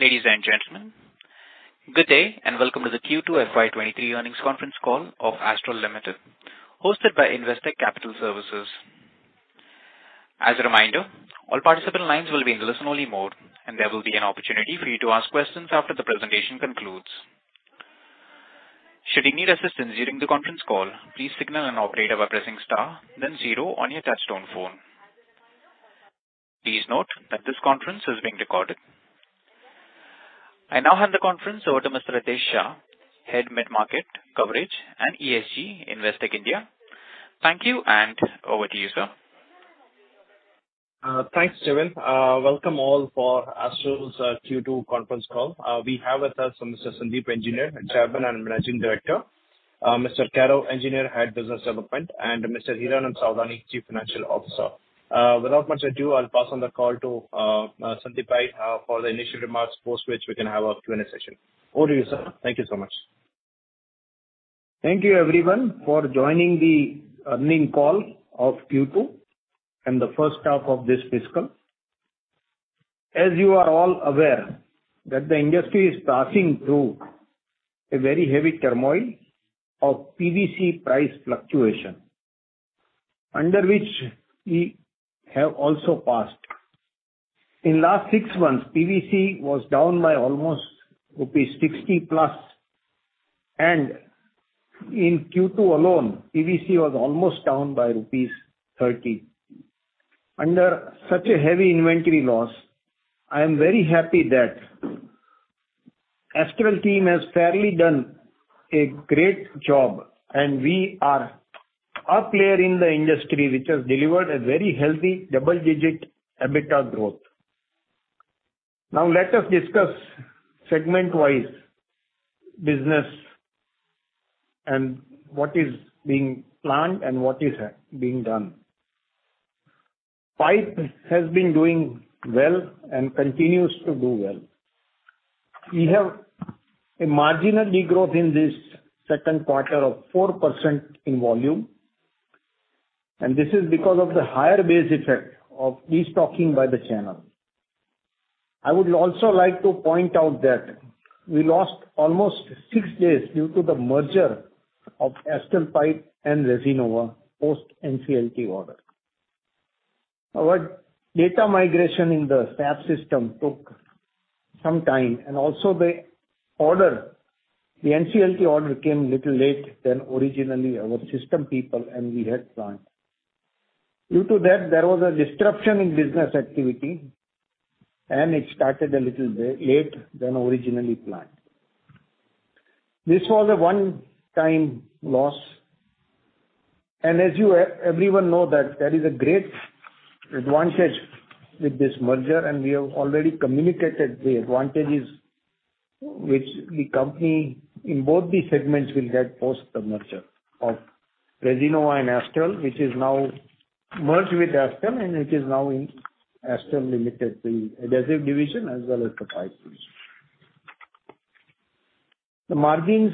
Ladies and gentlemen, good day and welcome to the Q2 FY 2023 Earnings Conference Call of Astral Limited, hosted by Investec Capital Services. As a reminder, all participant lines will be in listen-only mode, and there will be an opportunity for you to ask questions after the presentation concludes. Should you need assistance during the conference call, please signal an operator by pressing star then zero on your touchtone phone. Please note that this conference is being recorded. I now hand the conference over to Mr. Ritesh Shah, Head Mid Market Coverage and ESG, Investec India. Thank you, and over to you, sir. Thanks, Steven. Welcome all for Astral's Q2 conference call. We have with us Mr. Sandeep Engineer, Chairman and Managing Director, Mr. Kairav Engineer, Head Business Development, and Mr. Hiranand Savlani, Chief Financial Officer. Without much ado, I'll pass on the call to Sandeep for the initial remarks, post which we can have a Q&A session. Over to you, sir. Thank you so much. Thank you everyone for joining the earnings call of Q2 and the first half of this fiscal. As you are all aware that the industry is passing through a very heavy turmoil of PVC price fluctuation, under which we have also passed. In last six months, PVC was down by almost rupees 60+, and in Q2 alone, PVC was almost down by rupees 30. Under such a heavy inventory loss, I am very happy that Astral team has fairly done a great job, and we are a player in the industry which has delivered a very healthy double-digit EBITDA growth. Now let us discuss segment-wise business and what is being planned and what is being done. Pipe has been doing well and continues to do well. We have a marginal degrowth in this second quarter of 4% in volume, and this is because of the higher base effect of de-stocking by the channel. I would also like to point out that we lost almost six days due to the merger of Astral Pipes and Resinova post NCLT order. Our data migration in the SAP system took some time and also the order, the NCLT order came little late than originally our system people and we had planned. Due to that, there was a disruption in business activity and it started a little bit late than originally planned. This was a one-time loss. As you everyone know that there is a great advantage with this merger, and we have already communicated the advantages which the company in both the segments will get post the merger of Resinova and Astral, which is now merged with Astral and which is now in Astral Limited, the adhesive division as well as the pipe division. The margins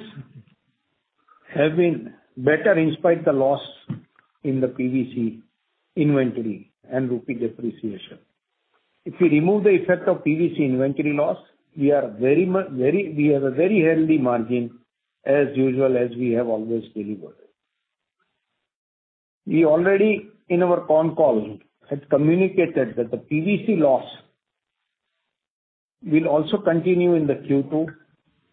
have been better in spite the loss in the PVC inventory and rupee depreciation. If we remove the effect of PVC inventory loss, we are very we have a very healthy margin as usual as we have always delivered. We already in our conf call had communicated that the PVC loss will also continue in the Q2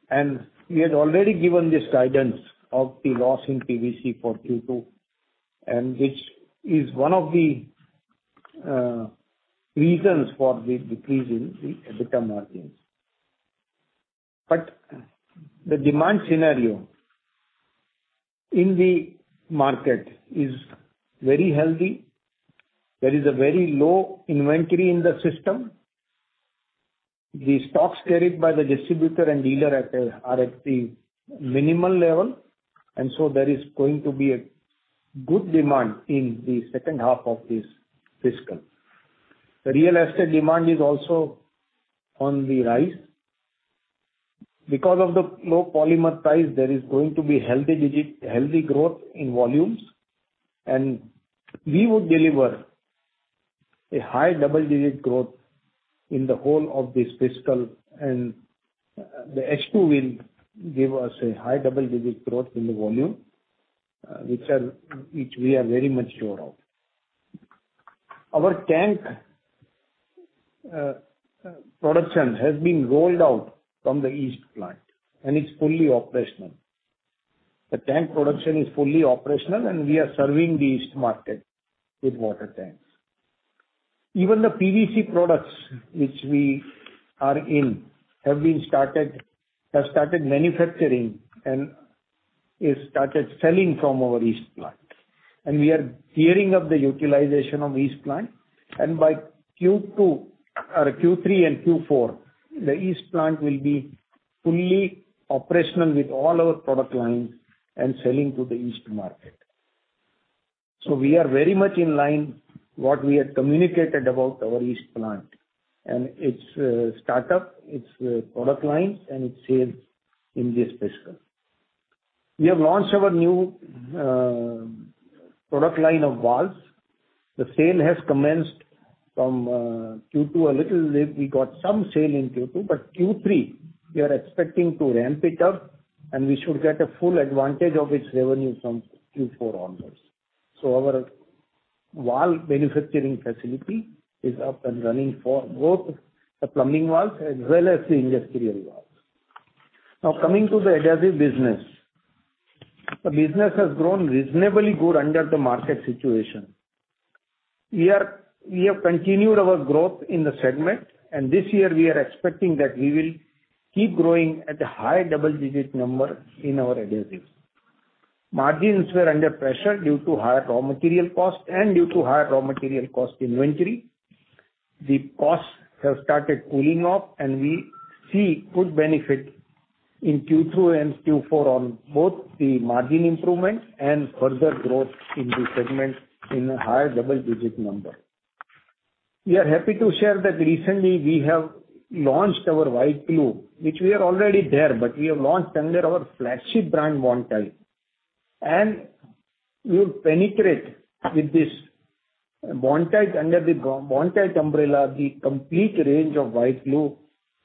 and we had already given this guidance of the loss in PVC for Q2 and which is one of the reasons for the decrease in the EBITDA margins. The demand scenario in the market is very healthy. There is a very low inventory in the system. The stocks carried by the distributor and dealer are at the minimal level and so there is going to be a good demand in the second half of this fiscal. The real estate demand is also on the rise. Because of the low polymer price there is going to be healthy growth in volumes and we would deliver a high double-digit growth in the whole of this fiscal and the H2 will give us a high double-digit growth in the volume which we are very much sure of. Our tank production has been rolled out from the east plant and it's fully operational. The tank production is fully operational and we are serving the east market with water tanks. Even the PVC products which we are in have started manufacturing and we started selling from our east plant. We are gearing up the utilization of east plant and by Q2 or Q3 and Q4 the east plant will be fully operational with all our product lines and selling to the east market. We are very much in line what we had communicated about our east plant and its startup, its product lines and its sales in this fiscal. We have launched our new product line of valves. The sale has commenced from Q2 a little late. We got some sale in Q2, but Q3 we are expecting to ramp it up, and we should get a full advantage of its revenue from Q4 onwards. Our valve manufacturing facility is up and running for both the plumbing valves as well as the industrial valves. Now coming to the adhesive business. The business has grown reasonably good under the market situation. We have continued our growth in the segment, and this year we are expecting that we will keep growing at a high double-digit number in our adhesives. Margins were under pressure due to higher raw material costs and due to higher raw material cost inventory. The costs have started cooling off, and we see good benefit in Q2 and Q4 on both the margin improvement and further growth in the segment in a higher double-digit number. We are happy to share that recently we have launched our white glue, which we are already there, but we have launched under our flagship brand, Bondtite. We would penetrate with this Bondtite under the Bondtite umbrella, the complete range of white glue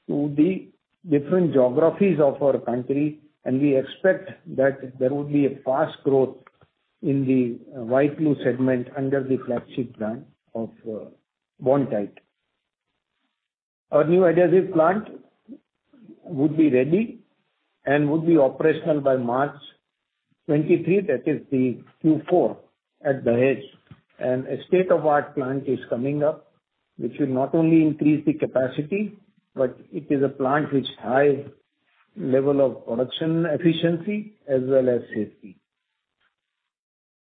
to the different geographies of our country. We expect that there will be a fast growth in the white glue segment under the flagship brand of Bondtite. Our new adhesive plant would be ready and would be operational by March 2023. That is the Q4. A state-of-the-art plant is coming up, which will not only increase the capacity, but it is a plant with high level of production efficiency as well as safety.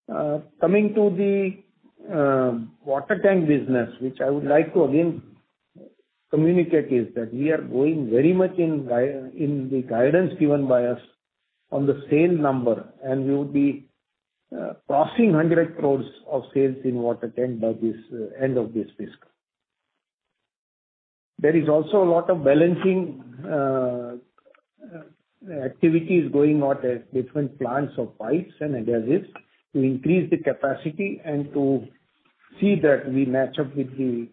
Coming to the water tank business, which I would like to again communicate, is that we are going very much in the guidance given by us on the sale number, and we would be crossing 100 crore of sales in water tank by this end of this fiscal. There is also a lot of balancing activities going on at different plants of pipes and adhesives to increase the capacity and to see that we match up with the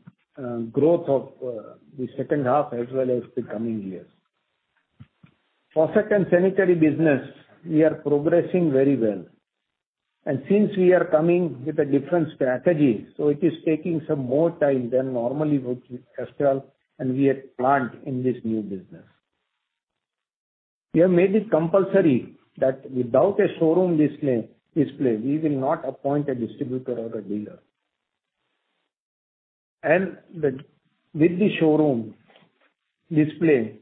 growth of the second half as well as the coming years. Faucet and sanitary business, we are progressing very well. Since we are coming with a different strategy, it is taking some more time than normally would with Astral, and we are planting in this new business. We have made it compulsory that without a showroom display, we will not appoint a distributor or a dealer. With the showroom display,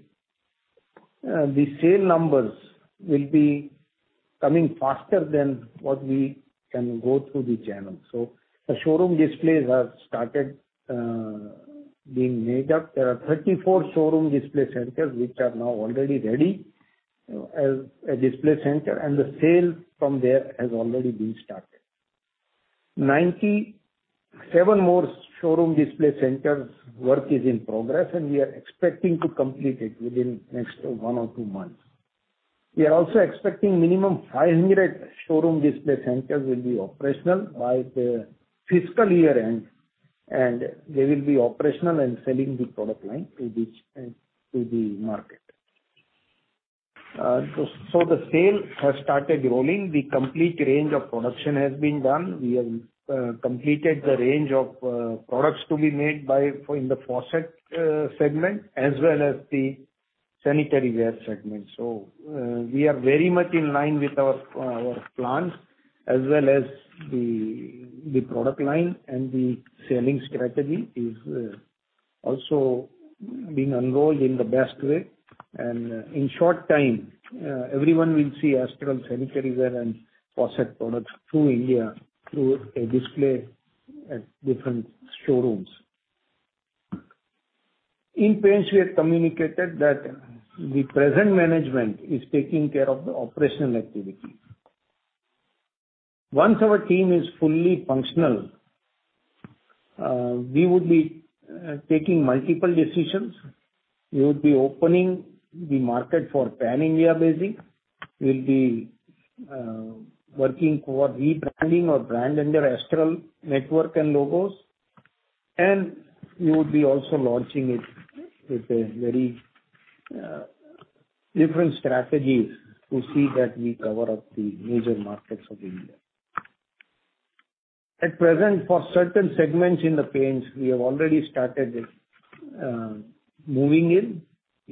the sales numbers will be coming faster than what we can go through the channel. The showroom displays have started being made up. There are 34 showroom display centers which are now already ready as a display center, and the sale from there has already been started. 97 more showroom display centers work is in progress, and we are expecting to complete it within next one or two months. We are also expecting minimum 500 showroom display centers will be operational by the fiscal year end, and they will be operational and selling the product line to the market. The sale has started rolling. The complete range of production has been done. We have completed the range of products to be made in the faucet segment as well as the sanitaryware segment. We are very much in line with our plans as well as the product line. The selling strategy is also being unrolled in the best way. In short time, everyone will see Astral sanitaryware and faucet products throughout India through a display at different showrooms. In paints, we have communicated that the present management is taking care of the operational activity. Once our team is fully functional, we would be taking multiple decisions. We would be opening the market for pan-India basis. We'll be working toward rebranding our brand under Astral network and logos. We would be also launching it with a very different strategy to see that we cover the major markets of India. At present, for certain segments in the paints we have already started moving in.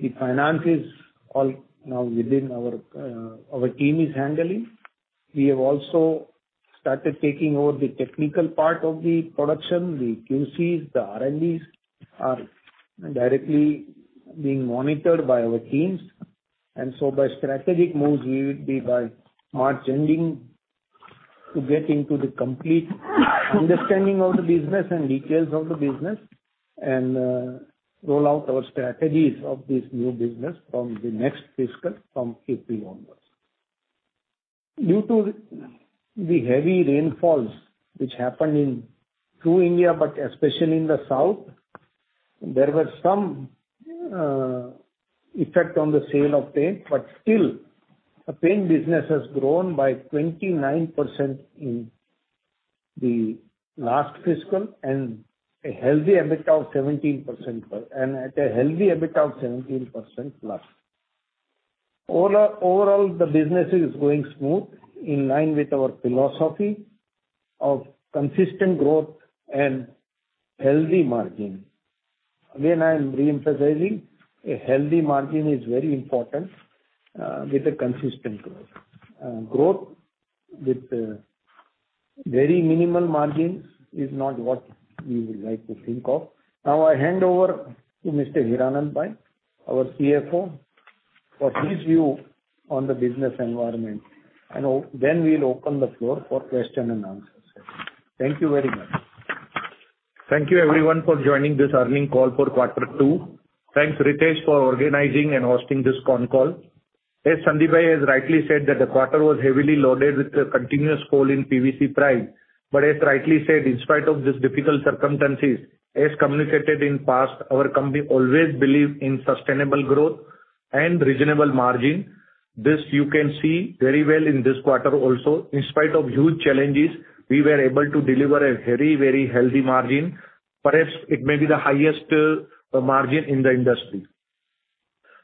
The finances all now within our team is handling. We have also started taking over the technical part of the production. The QCs, the R&Ds are directly being monitored by our teams. By strategic moves, we would be by March ending to get into the complete understanding of the business and details of the business and roll out our strategies of this new business from the next fiscal, from AP onwards. Due to the heavy rainfalls which happened in through India, but especially in the south. There were some effect on the sale of paint, but still the paint business has grown by 29% in the last fiscal and a healthy EBITDA of 17% and at a healthy EBITDA of 17%+. Overall, the business is going smooth in line with our philosophy of consistent growth and healthy margin. Again, I am re-emphasizing, a healthy margin is very important with a consistent growth. Growth with very minimal margins is not what we would like to think of. Now, I hand over to Mr. Hiranand, our CFO, for his view on the business environment, and then we'll open the floor for question and answers. Thank you very much. Thank you everyone for joining this earnings call for quarter two. Thanks, Ritesh, for organizing and hosting this con call. As Sandeep has rightly said that the quarter was heavily loaded with a continuous fall in PVC price. As rightly said, in spite of these difficult circumstances, as communicated in past, our company always believe in sustainable growth and reasonable margin. This you can see very well in this quarter also. In spite of huge challenges, we were able to deliver a very, very healthy margin. Perhaps it may be the highest margin in the industry.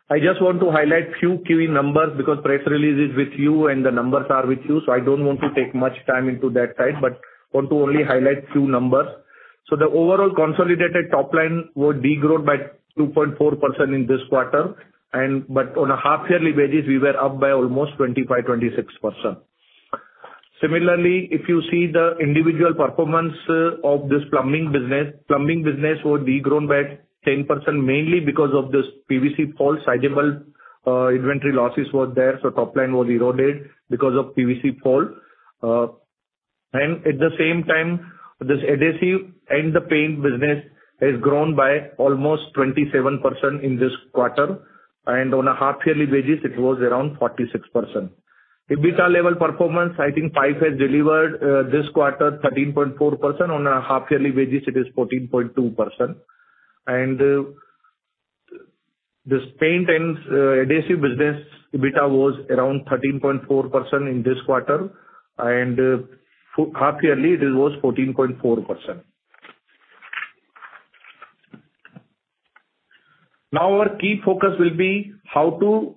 I just want to highlight few key numbers because press release is with you and the numbers are with you, so I don't want to take much time into that side, but want to only highlight few numbers. The overall consolidated top line would degrow by 2.4% in this quarter, but on a half yearly basis we were up by almost 25%-26%. Similarly, if you see the individual performance of this plumbing business. Plumbing business would degrown by 10% mainly because of this PVC fall. Sizeable inventory losses was there, so top line was eroded because of PVC fall. And at the same time, this adhesive and the paint business has grown by almost 27% in this quarter, and on a half yearly basis it was around 46%. EBITDA level performance, I think pipe has delivered this quarter 13.4%. On a half yearly basis it is 14.2%. This paint and adhesive business EBITDA was around 13.4% in this quarter, and half yearly it was 14.4%. Our key focus will be how to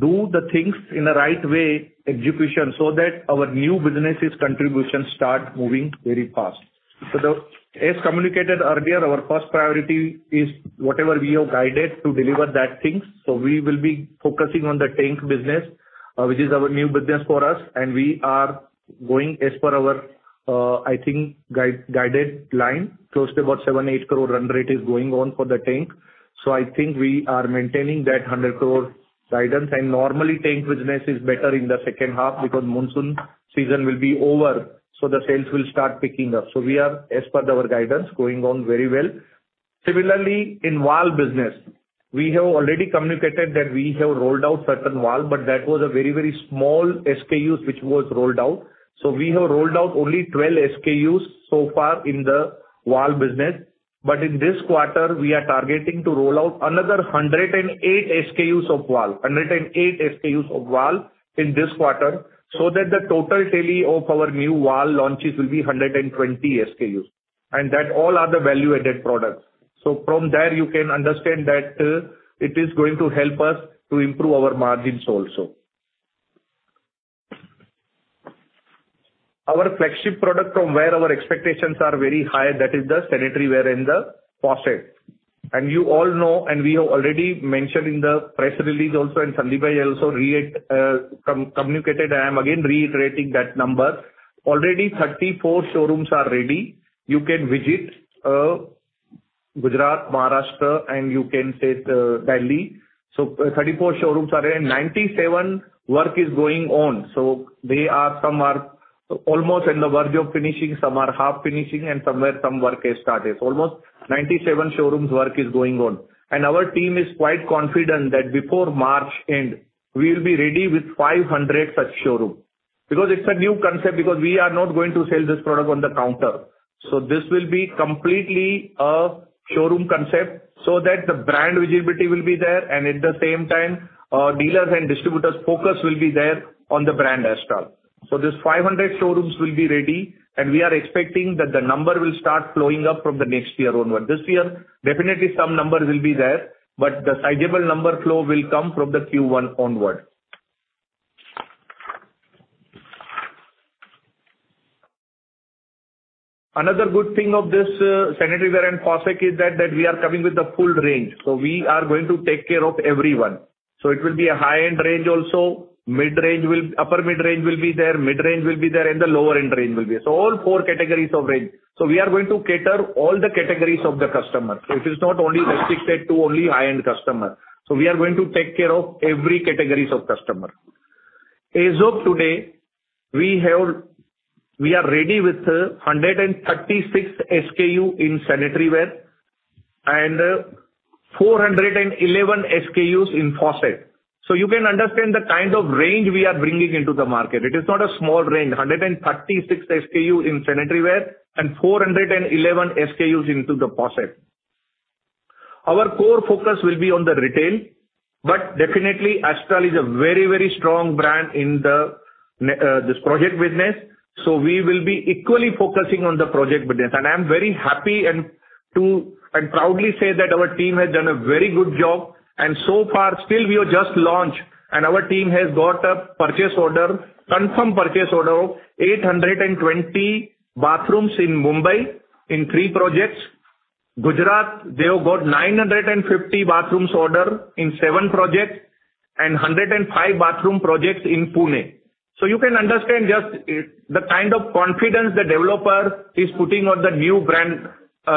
do the things in the right way, execution, so that our new businesses contribution start moving very fast. As communicated earlier, our first priority is whatever we have guided to deliver that things. We will be focusing on the tank business, which is our new business for us, and we are going as per our, I think, guideline. Close to about 7-8 crore run rate is going on for the tank. I think we are maintaining that 100 crore guidance. Normally, tank business is better in the second half because monsoon season will be over, so the sales will start picking up. We are as per our guidance, going on very well. Similarly, in valve business, we have already communicated that we have rolled out certain valve, but that was a very, very small SKUs which was rolled out. We have rolled out only 12 SKUs so far in the valve business. In this quarter we are targeting to roll out another 108 SKUs of valve in this quarter, so that the total tally of our new valve launches will be 120 SKUs. That all are the value-added products. From there you can understand that it is going to help us to improve our margins also. Our flagship product from where our expectations are very high, that is the sanitaryware and the faucet. You all know, and we have already mentioned in the press release also, and Sandeep also reiterated, communicated. I am again reiterating that number. Already 34 showrooms are ready. You can visit, Gujarat, Maharashtra and you can see, Delhi. 34 showrooms are there. 97 work is going on. They are, some are almost on the verge of finishing, some are half finishing and somewhere some work has started. Almost 97 showrooms work is going on. Our team is quite confident that before March end we'll be ready with 500 such showrooms. Because it's a new concept, because we are not going to sell this product on the counter. This will be completely a showroom concept, so that the brand visibility will be there and at the same time, dealers and distributors focus will be there on the brand Astral. This 500 showrooms will be ready, and we are expecting that the number will start flowing up from the next year onward. This year, definitely some numbers will be there, but the sizeable number flow will come from the Q1 onward. Another good thing of this, sanitaryware and faucet is that we are coming with a full range. We are going to take care of everyone. It will be a high-end range also, upper mid-range will be there, mid-range will be there, and the lower-end range will be. All four categories of range. We are going to cater all the categories of the customer. It is not only restricted to only high-end customer. We are going to take care of every categories of customer. As of today, we have... We are ready with 136 SKUs in sanitaryware and 411 SKUs in faucet. You can understand the kind of range we are bringing into the market. It is not a small range. 136 SKU in sanitaryware and 411 SKUs into the faucet. Our core focus will be on the retail, but definitely Astral is a very, very strong brand in this project business, so we will be equally focusing on the project business. I'm very happy and proudly say that our team has done a very good job. So far, still we have just launched, and our team has got a purchase order, confirmed purchase order of 820 bathrooms in Mumbai in three projects. Gujarat, they have got 950 bathrooms order in seven projects, and 105 bathroom projects in Pune. You can understand just the kind of confidence the developer is putting on the new brand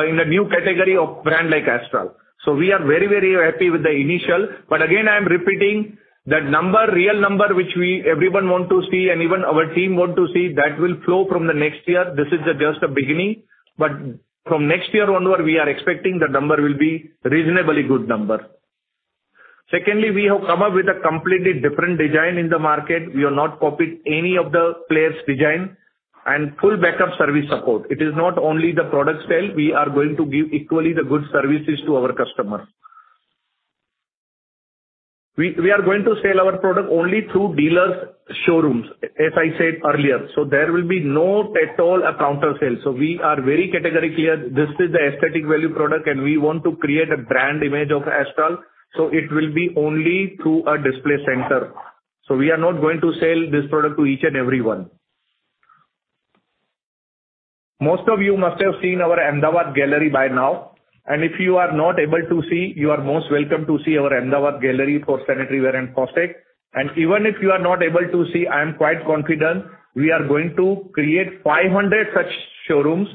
in the new category of brand like Astral. We are very, very happy with the initial. Again, I'm repeating that number, real number, which we, everyone want to see and even our team want to see, that will flow from the next year. This is just a beginning. From next year onward, we are expecting the number will be reasonably good number. Secondly, we have come up with a completely different design in the market. We have not copied any of the players' design and full backup service support. It is not only the product sale, we are going to give equally the good services to our customers. We are going to sell our product only through dealers' showrooms, as I said earlier. There will be no counter sale at all. We are very categorically clear, this is the aesthetic value product and we want to create a brand image of Astral, so it will be only through a display center. We are not going to sell this product to each and everyone. Most of you must have seen our Ahmedabad gallery by now, and if you are not able to see, you are most welcome to see our Ahmedabad gallery for sanitaryware and faucet. Even if you are not able to see, I am quite confident we are going to create 500 such showrooms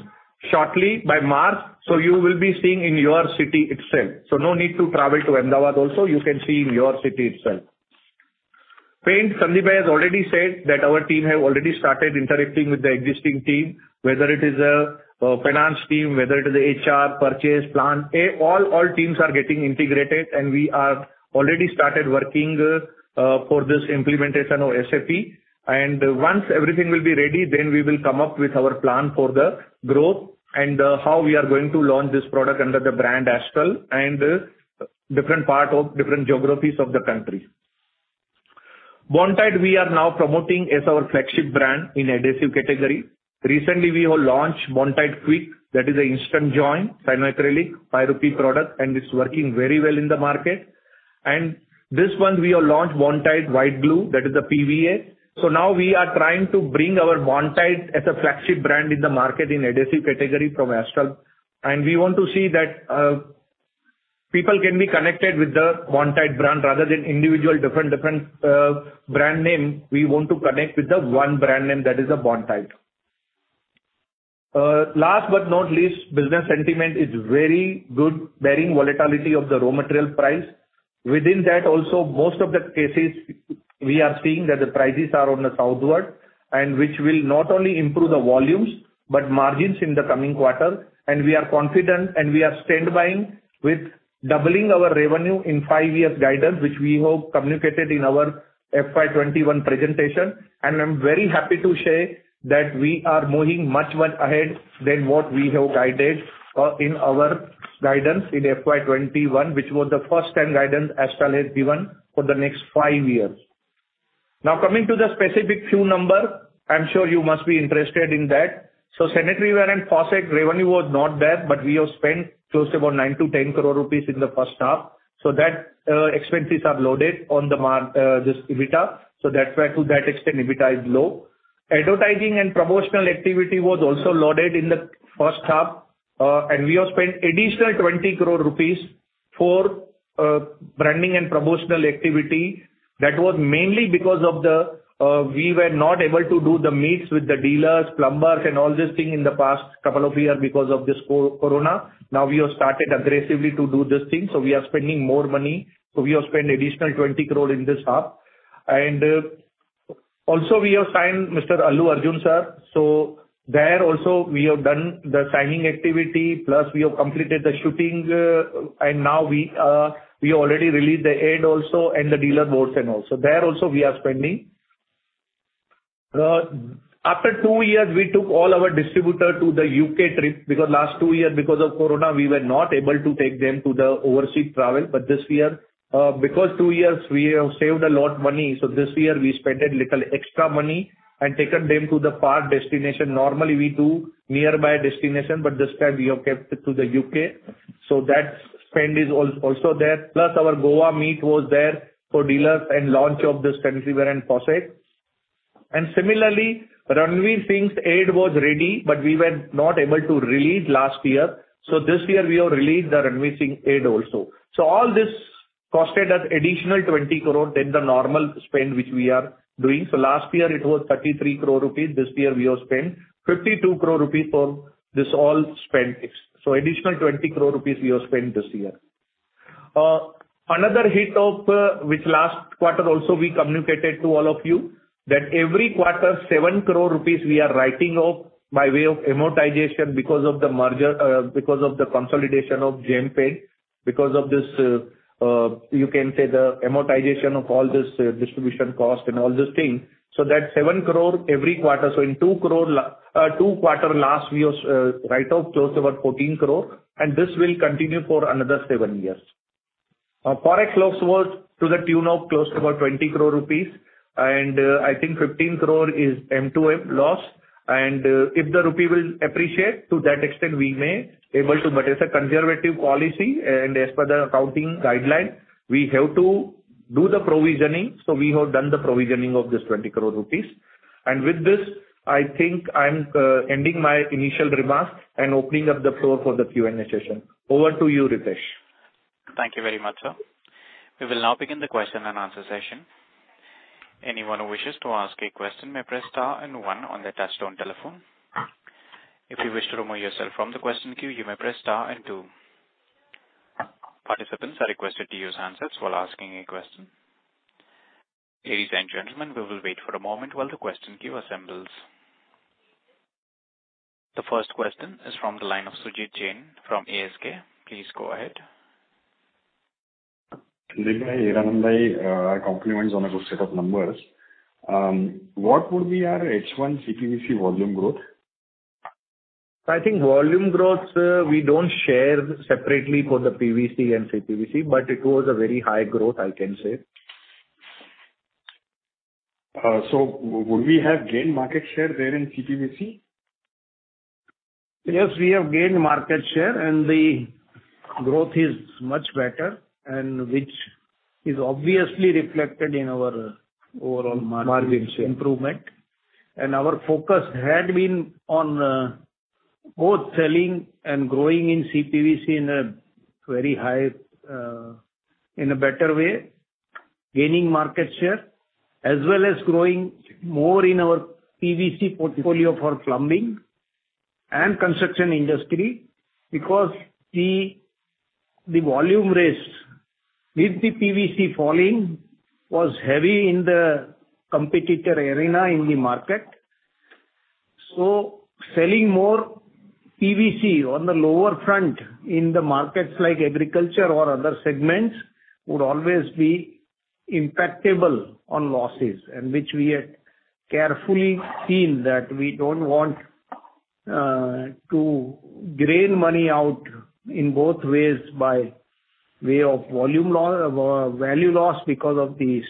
shortly by March, so you will be seeing in your city itself. No need to travel to Ahmedabad also, you can see in your city itself. Paint, Sandeep has already said that our team have already started interacting with the existing team, whether it is finance team, whether it is the HR, purchase, plant. All teams are getting integrated, and we are already started working for this implementation of SAP. Once everything will be ready, then we will come up with our plan for the growth and how we are going to launch this product under the brand Astral and different part of different geographies of the country. Bondtite we are now promoting as our flagship brand in adhesive category. Recently, we have launched Bondtite Quick, that is an instant join cyanoacrylate, INR 5 product, and it's working very well in the market. This month we have launched Bondtite White Glue, that is a PVA. Now we are trying to bring our Bondtite as a flagship brand in the market in adhesive category from Astral. We want to see that people can be connected with the Bondtite brand rather than individual different brand name. We want to connect with the one brand name that is a Bondtite. Last but not least, business sentiment is very good, barring volatility of the raw material price. Within that also, most of the cases we are seeing that the prices are on the southward, and which will not only improve the volumes, but margins in the coming quarter. We are confident, and we are standing by with doubling our revenue in five years guidance, which we have communicated in our FY 2021 presentation. I'm very happy to share that we are moving much, much ahead than what we have guided, in our guidance in FY 2021, which was the first time guidance Astral has given for the next five years. Now, coming to the specific few number, I'm sure you must be interested in that. sanitaryware and faucet revenue was not there, but we have spent close to about 9-10 crore rupees in the first half. That expenses are loaded on this EBITDA, so that's why to that extent EBITDA is low. Advertising and promotional activity was also loaded in the first half, and we have spent additional 20 crore rupees for branding and promotional activity. That was mainly because we were not able to do the meets with the dealers, plumbers and all this thing in the past couple of years because of this corona. Now we have started aggressively to do this thing, so we are spending more money. We have spent additional 20 crore in this half. We have also signed Mr. Allu Arjun, sir. We have also done the signing activity there, plus we have completed the shooting, and now we already released the ad also and the dealer boards and all. We are also spending there. After two years, we took all our distributor to the U.K. trip because last two years because of corona, we were not able to take them to the overseas travel. This year, because two years we have saved a lot money, this year we spent a little extra money and taken them to the far destination. Normally, we do nearby destination, this time we have kept it to the U.K. That spend is also there, plus our Goa meet was there for dealers and launch of the sanitaryware and faucet. Similarly, Ranveer Singh's ad was ready, we were not able to release last year. This year we have released the Ranveer Singh ad also. All this costed us additional 20 crore than the normal spend which we are doing. Last year it was 33 crore rupees. This year we have spent 52 crore rupees for this all spend. Additional twenty crore rupees we have spent this year. Another hit of, which last quarter also we communicated to all of you, that every quarter 7 crore rupees we are writing off by way of amortization because of the merger, because of the consolidation of Gem Paints. Because of this, you can say the amortization of all this distribution cost and all this thing. That's 7 crore every quarter. In two quarters last we was write off close to about 14 crore, and this will continue for another seven years. Now, Forex loss was to the tune of close to about 20 crore rupees, and I think 15 crore is MTM loss. If the rupee will appreciate, to that extent we may able to. As a conservative policy and as per the accounting guideline, we have to do the provisioning. We have done the provisioning of this 20 crore rupees. With this, I think I'm ending my initial remarks and opening up the floor for the Q&A session. Over to you, Rites. Thank you very much, sir. We will now begin the question and answer session. Anyone who wishes to ask a question may press star and one on their Touch-Tone telephone. If you wish to remove yourself from the question queue, you may press star and two. Participants are requested to use handsets while asking a question. Ladies and gentlemen, we will wait for a moment while the question queue assembles. The first question is from the line of Sujit Jain from ASK. Please go ahead. Sandeep bhai, Hiranand bhai, our compliments on a good set of numbers. What would be our H1 CPVC volume growth? I think volume growth, we don't share separately for the PVC and CPVC, but it was a very high growth, I can say. Would we have gained market share there in CPVC? Yes, we have gained market share, and the growth is much better and which is obviously reflected in our overall margin. Margin, sure. Improvement. Our focus had been on both selling and growing in CPVC in a very high, in a better way, gaining market share, as well as growing more in our PVC portfolio for plumbing and construction industry. Because the volume risk with the PVC falling was heavy in the competitor arena in the market. Selling more PVC on the lower front in the markets like agriculture or other segments would always be impactable on losses, and which we had carefully seen that we don't want to drain money out in both ways by way of value loss because of these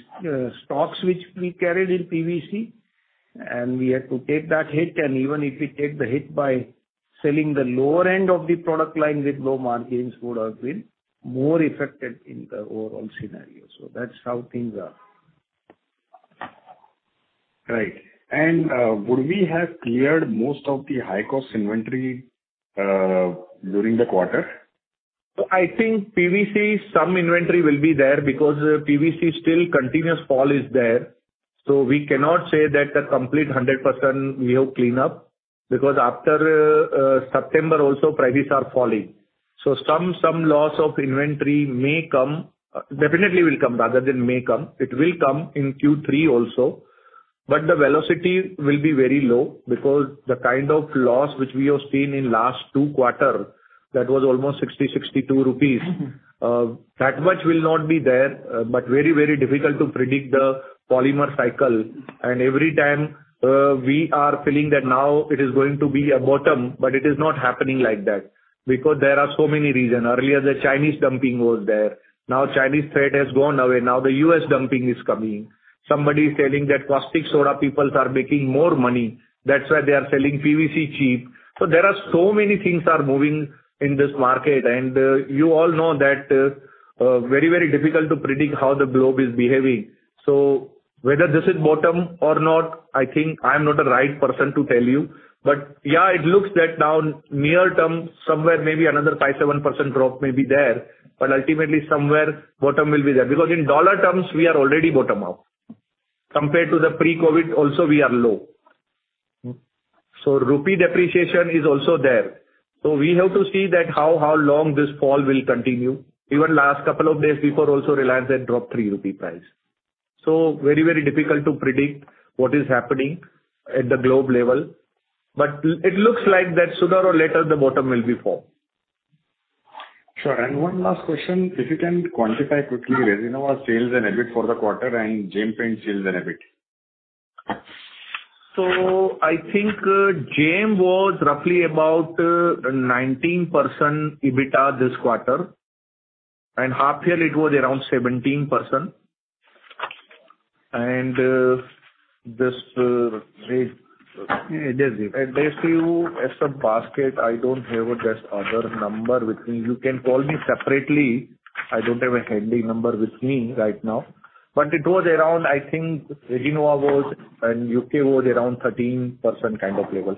stocks which we carried in PVC. We had to take that hit. Even if we take the hit by selling the lower end of the product line with low margins would have been more affected in the overall scenario. That's how things are. Right. Would we have cleared most of the high-cost inventory during the quarter? I think PVC, some inventory will be there because PVC still continuous fall is there. We cannot say that the complete 100% we have cleaned up. Because after September also prices are falling. Some loss of inventory may come. Definitely will come rather than may come. It will come in Q3 also. But the velocity will be very low because the kind of loss which we have seen in last two quarter, that was almost 62 rupees. Mm-hmm. That much will not be there. Very, very difficult to predict the polymer cycle. Every time, we are feeling that now it is going to be a bottom, but it is not happening like that because there are so many reason. Earlier the Chinese dumping was there. Now Chinese trade has gone away. Now the US dumping is coming. Somebody is telling that caustic soda people are making more money. That's why they are selling PVC cheap. There are so many things are moving in this market. You all know that, very, very difficult to predict how the globe is behaving. Whether this is bottom or not, I think I'm not the right person to tell you. Yeah, it looks that now near term somewhere maybe another 5%-7% drop may be there, but ultimately somewhere bottom will be there. Because in dollar terms we are already bottom out. Compared to the pre-COVID also we are low. Mm-hmm. Rupee depreciation is also there. We have to see that how long this fall will continue. Even last couple of days before also Reliance had dropped 3 rupee price. Very difficult to predict what is happening at the global level. It looks like that sooner or later the bottom will be formed. Sure. One last question. If you can quantify quickly Resinova sales and EBIT for the quarter and Gem Paints sales and EBIT. I think Gem was roughly about 19% EBITDA this quarter, and half year it was around 17%. This, let's say- Yeah, just give. As you ask about the basket, I don't have the other number with me. You can call me separately. I don't have a handy number with me right now. It was around, I think Resinova was and U.K. Was around 13% kind of levels.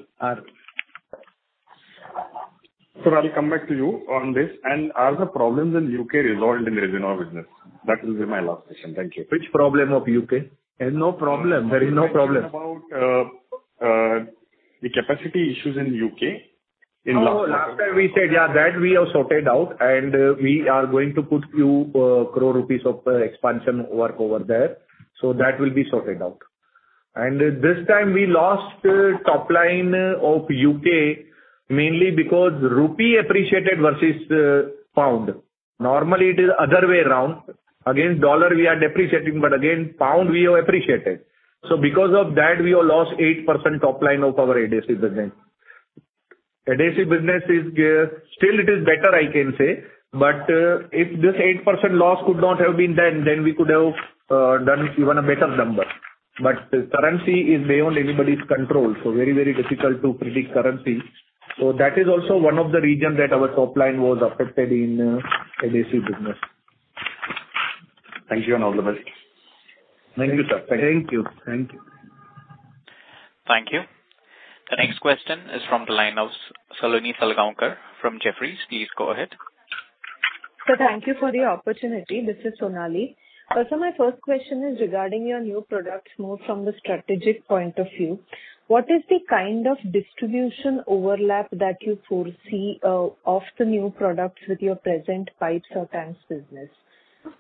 Sir, I'll come back to you on this. Are the problems in U.K. resolved in Resinova business? That will be my last question. Thank you. Which problem of U.K.? There's no problem. There is no problem. I'm asking about the capacity issues in U.K. No, last time we said, yeah, that we have sorted out, and we are going to put few crore INR of expansion work over there, so that will be sorted out. This time we lost top line of U.K., mainly because rupee appreciated versus pound. Normally it is other way around. Against dollar we are depreciating, but against pound we have appreciated. Because of that, we have lost 8% top line of our adhesive business. Adhesive business is still it is better I can say, but if this 8% loss could not have been done, then we could have done even a better number. Currency is beyond anybody's control, so very, very difficult to predict currency. That is also one of the reasons that our top line was affected in adhesive business. Thank you, and all the best. Thank you, sir. Thank you. Thank you. Thank you. The next question is from the line of Sonali Salgaonkar from Jefferies. Please go ahead. Sir, thank you for the opportunity. This is Sonali. My first question is regarding your new products, more from the strategic point of view. What is the kind of distribution overlap that you foresee, of the new products with your present pipes or tanks business?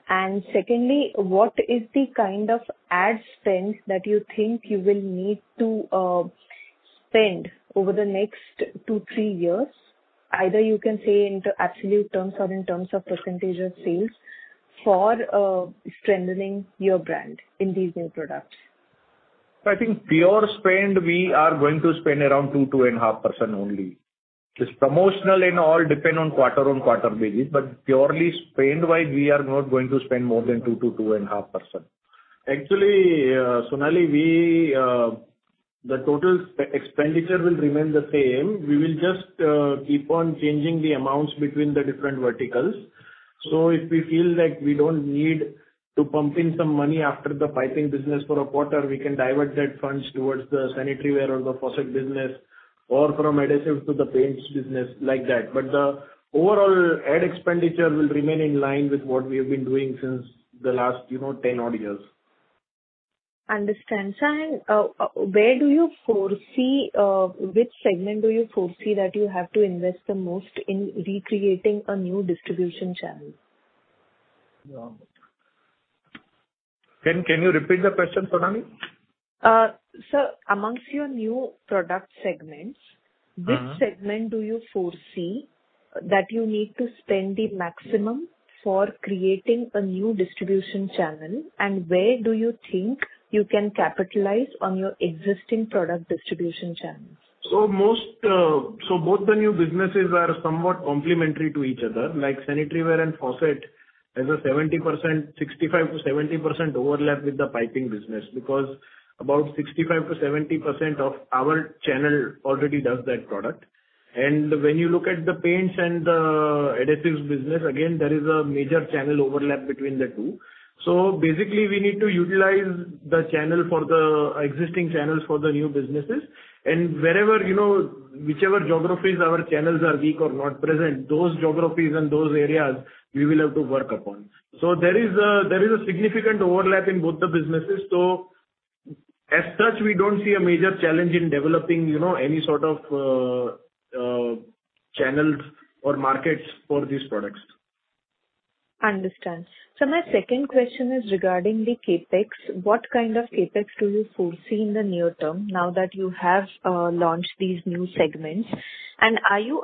And secondly, what is the kind of ad spend that you think you will need to spend over the next two, three years? Either you can say in the absolute terms or in terms of percentage of sales for strengthening your brand in these new products. I think pure spend, we are going to spend around 2%-2.5% only. This promotional and all depend on quarter-on-quarter basis, but purely spend wide, we are not going to spend more than 2%-2.5%. Actually, Sonali, the total expenditure will remain the same. We will just keep on changing the amounts between the different verticals. So if we feel like we don't need to pump in some money after the piping business for a quarter, we can divert that funds towards the sanitaryware or the faucet business, or from adhesive to the paints business, like that. The overall ad expenditure will remain in line with what we have been doing since the last, you know, 10-odd years. Understand. Sir, which segment do you foresee that you have to invest the most in recreating a new distribution channel? Can you repeat the question, Sonali? Sir, among your new product segments- Mm-hmm. Which segment do you foresee that you need to spend the maximum for creating a new distribution channel, and where do you think you can capitalize on your existing product distribution channels? Most both the new businesses are somewhat complementary to each other. Like sanitaryware and faucet has a 70%, 65%-70% overlap with the piping business because about 65%-70% of our channel already does that product. When you look at the paints and adhesives business, again, there is a major channel overlap between the two. Basically we need to utilize the channel for the existing channels for the new businesses. Wherever, you know, whichever geographies our channels are weak or not present, those geographies and those areas we will have to work upon. There is a significant overlap in both the businesses. As such, we don't see a major challenge in developing, you know, any sort of channels or markets for these products. Understand. My second question is regarding the CapEx. What kind of CapEx do you foresee in the near term now that you have launched these new segments? Are you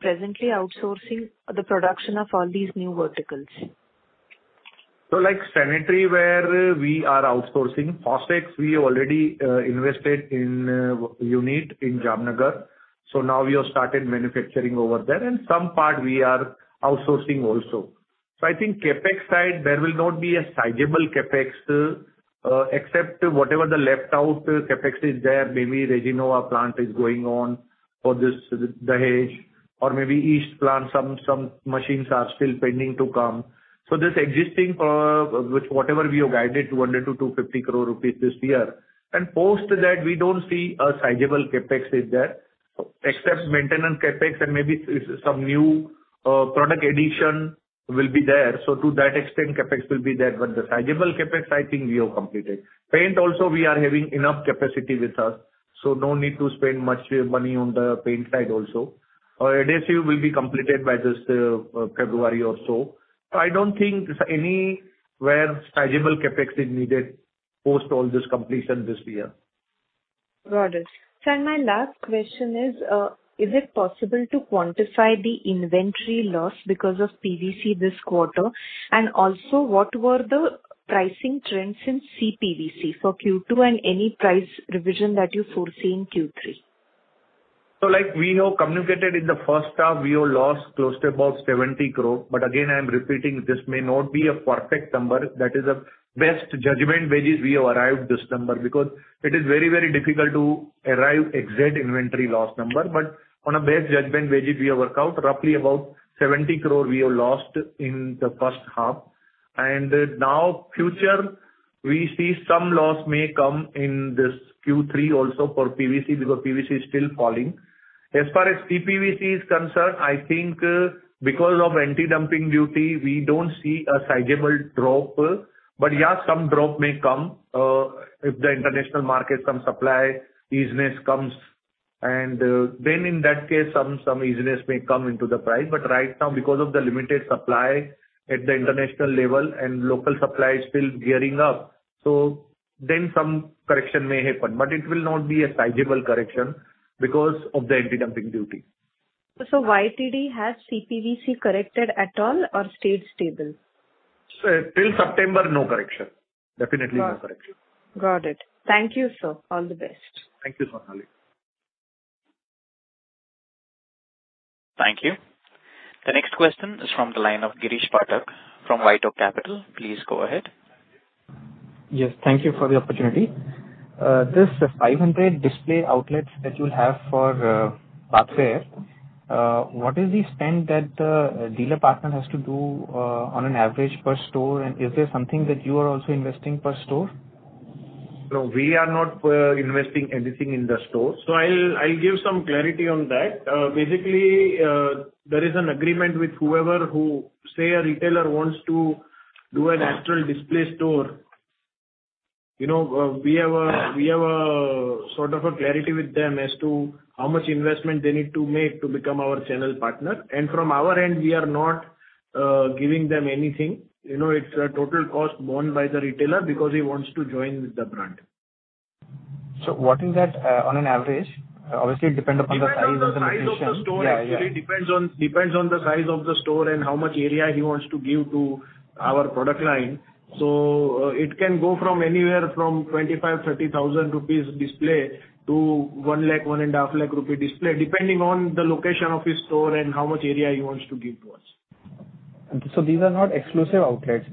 presently outsourcing the production of all these new verticals? Like sanitaryware we are outsourcing. Faucets we already invested in unit in Jamnagar, so now we have started manufacturing over there. Some part we are outsourcing also. I think CapEx side, there will not be a sizable CapEx, except whatever the left out CapEx is there. Maybe Resinova plant is going on for this Dahej or maybe east plant, some machines are still pending to come. This existing, whatever we have guided, 200 crore-250 crore rupees this year. Post that, we don't see a sizable CapEx is there, except maintenance CapEx and maybe some new product addition will be there. To that extent, CapEx will be there. The sizable CapEx, I think we have completed. Paint also we are having enough capacity with us, so no need to spend much money on the paint side also. Our adhesive will be completed by this February or so. I don't think anywhere sizable CapEx is needed post all this completion this year. Got it. Sir, my last question is it possible to quantify the inventory loss because of PVC this quarter? Also, what were the pricing trends in CPVC for Q2, and any price revision that you foresee in Q3? Like we have communicated in the first half, we have lost close to about 70 crore. Again, I'm repeating, this may not be a perfect number. That is a best judgment basis we have arrived this number because it is very, very difficult to arrive exact inventory loss number. On a best judgment basis, we have worked out roughly about 70 crore we have lost in the first half. Now future we see some loss may come in this Q3 also for PVC because PVC is still falling. As far as CPVC is concerned, I think, because of anti-dumping duty, we don't see a sizable drop. Yeah, some drop may come, if the international market, some supply business comes. And then in that case, some easiness may come into the price. Right now, because of the limited supply at the international level and local supply is still gearing up, so then some correction may happen. It will not be a sizable correction because of the anti-dumping duty. YTD has CPVC corrected at all or stayed stable? Sir, till September, no correction. Definitely no correction. Got it. Thank you, sir. All the best. Thank you, Sonali. Thank you. The next question is from the line of Girish Pathak from Vital Capital. Please go ahead. Yes, thank you for the opportunity. This 500 display outlets that you'll have for bathware, what is the spend that dealer partner has to do on an average per store and is there something that you are also investing per store? No, we are not investing anything in the store. I'll give some clarity on that. Basically, there is an agreement with whoever, say, a retailer wants to do an Astral display store. You know, we have a sort of clarity with them as to how much investment they need to make to become our channel partner. From our end, we are not giving them anything. You know, it's a total cost borne by the retailer because he wants to join with the brand. What is that, on an average? Obviously, it depend upon the size of the location. Depends on the size of the store actually. Yeah, yeah. Depends on the size of the store and how much area he wants to give to our product line. It can go from anywhere from 25,000-30,000 rupees display to 100,000-150,000 rupee display, depending on the location of his store and how much area he wants to give to us. These are not exclusive outlets.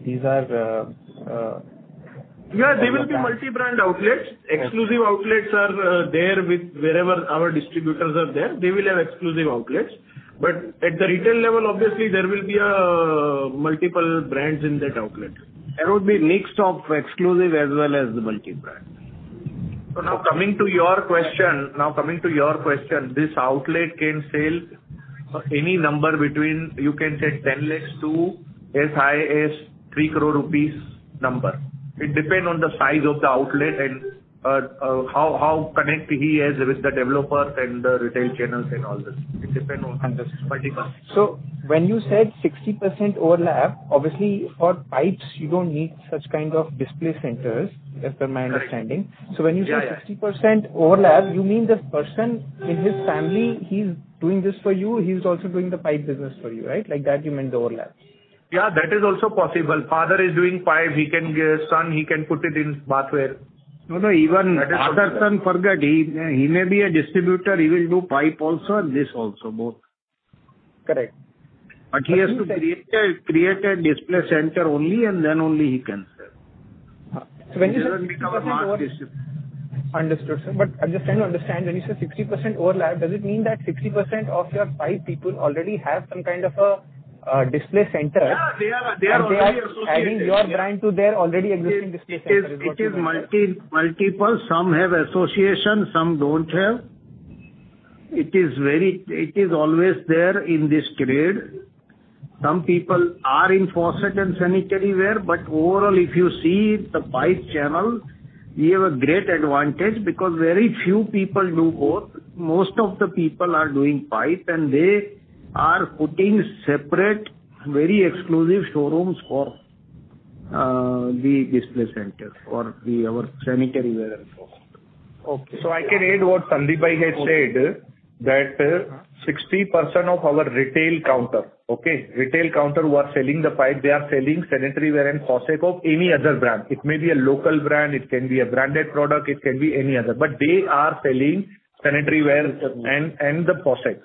Yeah, they will be multi-brand outlets. Okay. Exclusive outlets are there with wherever our distributors are there, they will have exclusive outlets. At the retail level, obviously there will be multiple brands in that outlet. There will be mix of exclusive as well as the multi-brand. Now coming to your question, this outlet can sell any number between, you can say 10 lakhs-3 crore rupees number. It depend on the size of the outlet and how connect he is with the developer and the retail channels and all this. It depend on the multiple. When you said 60% overlap, obviously for pipes you don't need such kind of display centers, as per my understanding. Correct. Yeah, yeah. When you say 60% overlap, you mean the person, with his family, he's doing this for you, he's also doing the pipe business for you, right? Like that you meant the overlap. Yeah, that is also possible. Father is doing pipe. He can give son, he can put it in bathware. No, no. Even father, son, forget. He may be a distributor. He will do pipe also and this also, both. Correct. He has to create a display center only, and then only he can sell. When you say 60% over. These are our market distributors. Understood, sir. I'm just trying to understand. When you say 60% overlap, does it mean that 60% of your pipe people already have some kind of a display center? Yeah, they are already associated. They are adding your brand to their already existing display center is what you mean? It is multiple. Some have association, some don't have. It is always there in this trade. Some people are in faucet and sanitaryware, but overall, if you see the pipe channel, we have a great advantage because very few people do both. Most of the people are doing pipe and they are putting separate, very exclusive showrooms for the display center or our sanitaryware as well. Okay. I can add what Sandeep bhai has said, that 60% of our retail counter, okay? Retail counter who are selling the pipe, they are selling sanitaryware and faucet of any other brand. It may be a local brand, it can be a branded product, it can be any other. They are selling sanitaryware and the faucet.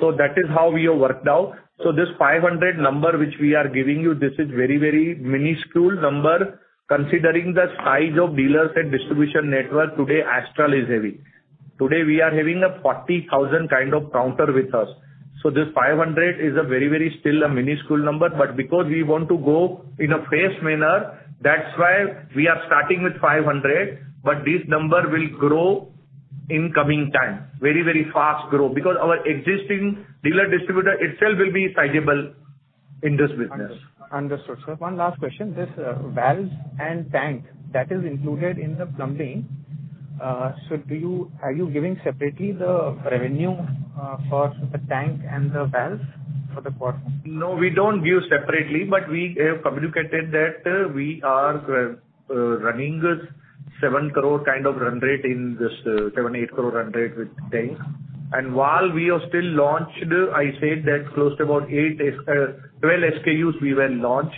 That is how we have worked out. This 500 number which we are giving you, this is very, very minuscule number considering the size of dealers and distribution network today Astral is having. Today we are having a 40,000 kind of counter with us. This 500 is a very, very, still a minuscule number. Because we want to go in a phased manner, that's why we are starting with 500. This number will grow in coming time. Very, very fast growth because our existing dealer distributor itself will be sizable in this business. Understood. Sir, one last question. This, valves and tank that is included in the plumbing. So are you giving separately the revenue for the tank and the valve for the quarter? No, we don't give separately, but we have communicated that we are running 7 crore kind of run rate in this, 7-8 crore run rate with tank. While we have still launched, I said that close to about eight to twelve SKUs we will launch.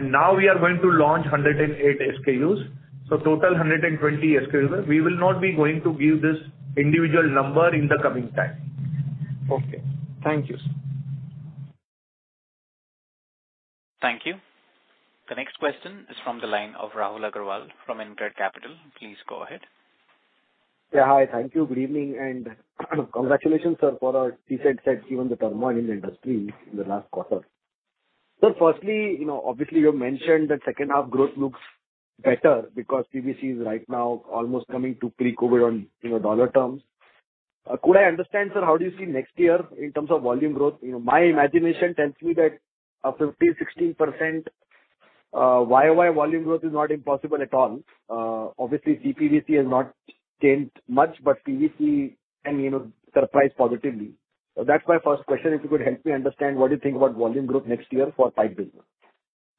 Now we are going to launch 108 SKUs. Total 120 SKUs. We will not be going to give this individual number in the coming time. Okay. Thank you, sir. Thank you. The next question is from the line of Rahul Agarwal from InCred Capital. Please go ahead. Yeah, hi. Thank you. Good evening and congratulations, sir, for a decent set given the turmoil in the industry in the last quarter. Sir, firstly, you know, obviously you have mentioned that second half growth looks better because CPVC is right now almost coming to pre-COVID on, you know, dollar terms. Could I understand, sir, how do you see next year in terms of volume growth? You know, my imagination tells me that 15-16% YOY volume growth is not impossible at all. Obviously CPVC has not changed much, but PVC can, you know, surprise positively. That's my first question. If you could help me understand what you think about volume growth next year for pipe business.